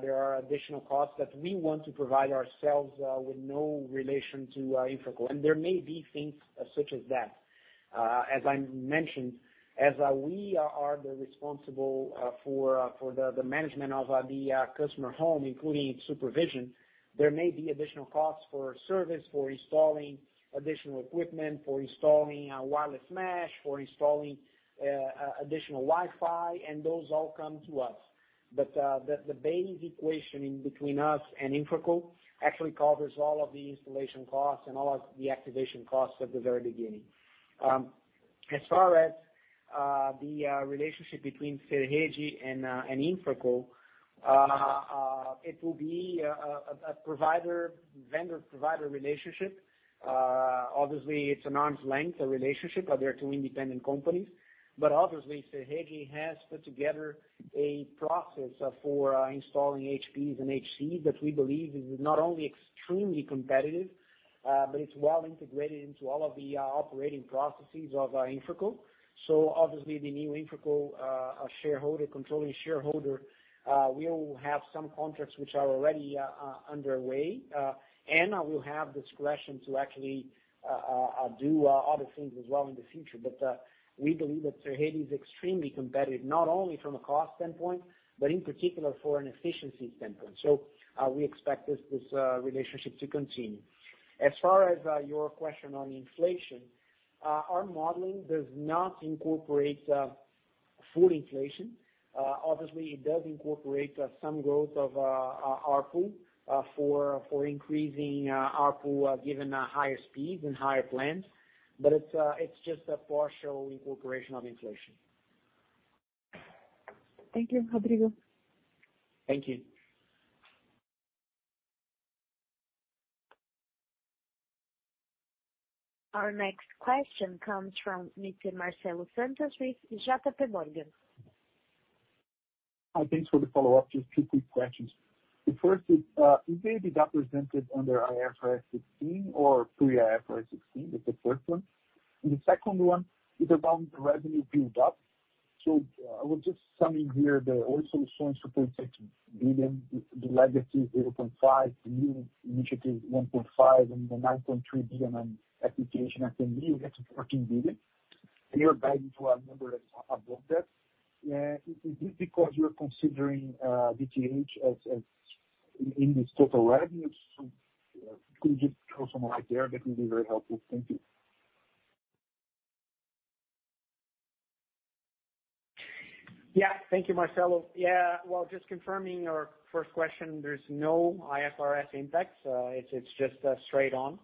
[SPEAKER 2] there are additional costs that we want to provide ourselves with no relation to InfraCo. There may be things such as that. As I mentioned, as we are the responsible for the management of the customer home, including its supervision, there may be additional costs for service, for installing additional equipment, for installing a wireless mesh, for installing additional Wi-Fi, and those all come to us. The base equation in between us and InfraCo actually covers all of the installation costs and all of the activation costs at the very beginning. As far as the relationship between Serede and InfraCo, it will be a vendor-provider relationship. It's an arm's length relationship, but they are two independent companies. Serede has put together a process for installing HPs and HCs that we believe is not only extremely competitive, but it's well integrated into all of the operating processes of InfraCo. The new InfraCo controlling shareholder will have some contracts which are already underway, and will have discretion to actually do other things as well in the future. We believe that Serede is extremely competitive, not only from a cost standpoint, but in particular for an efficiency standpoint. We expect this relationship to continue. As far as your question on inflation, our modeling does not incorporate full inflation. It does incorporate some growth of ARPU, for increasing ARPU given higher speeds and higher plans. It's just a partial incorporation of inflation.
[SPEAKER 7] Thank you, Rodrigo.
[SPEAKER 2] Thank you.
[SPEAKER 1] Our next question comes from Mr. Marcelo Santos with JPMorgan.
[SPEAKER 3] Thanks for the follow-up. Just two quick questions. The first is, will they be represented under IFRS 16 or pre-IFRS 16? That's the first one. The second one is about the revenue build-up. I will just sum it here, the Oi Soluções for 36 billion, the legacy 0.5, new initiative 1.5, and the 9.3 billion on application and BRL 10 billion, that's 14 billion. You're guiding to a number that's above that. Is this because you are considering V.tal in this total revenue? Could you just throw some light there, that would be very helpful. Thank you.
[SPEAKER 2] Thank you, Marcelo. Just confirming your first question, there's no IFRS impact. It's just straight on.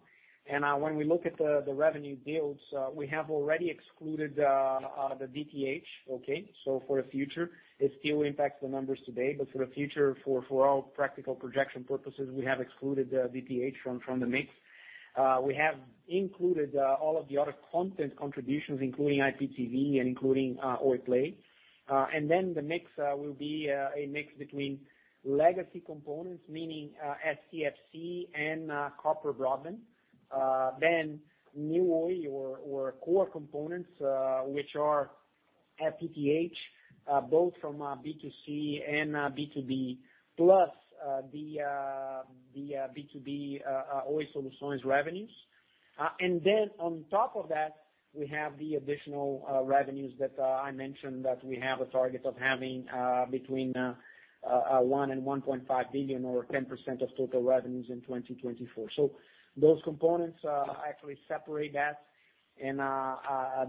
[SPEAKER 2] When we look at the revenue builds, we have already excluded the DTH, okay? For the future, it still impacts the numbers today. For the future, for all practical projection purposes, we have excluded DTH from the mix. We have included all of the other content contributions, including IPTV and including Oi Play. The mix will be a mix between legacy components, meaning STFC and copper broadband. New Oi or core components, which are FTTH, both from B2C and B2B, plus the B2B Oi Soluções revenues. On top of that, we have the additional revenues that I mentioned that we have a target of having between 1 billion and 1.5 billion or 10% of total revenues in 2024. Those components actually separate that.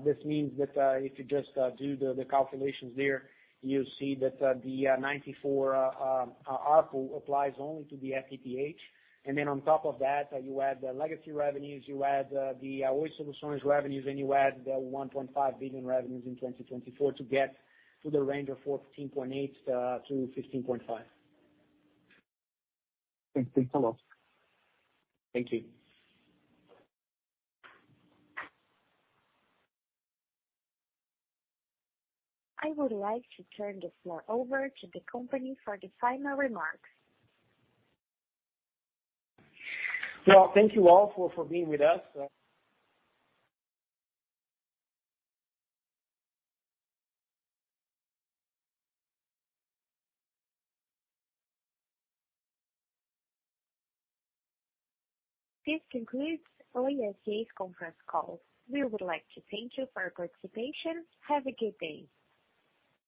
[SPEAKER 2] This means that if you just do the calculations there, you'll see that the 94 ARPU applies only to the FTTH. Then on top of that, you add the legacy revenues, you add the Oi Soluções revenues, and you add the 1.5 billion revenues in 2024 to get to the range of 14.8-15.5.
[SPEAKER 3] Thanks a lot.
[SPEAKER 2] Thank you.
[SPEAKER 1] I would like to turn the floor over to the company for the final remarks.
[SPEAKER 2] Well, thank you all for being with us.
[SPEAKER 1] This concludes Oi S.A.'s conference call. We would like to thank you for your participation. Have a good day.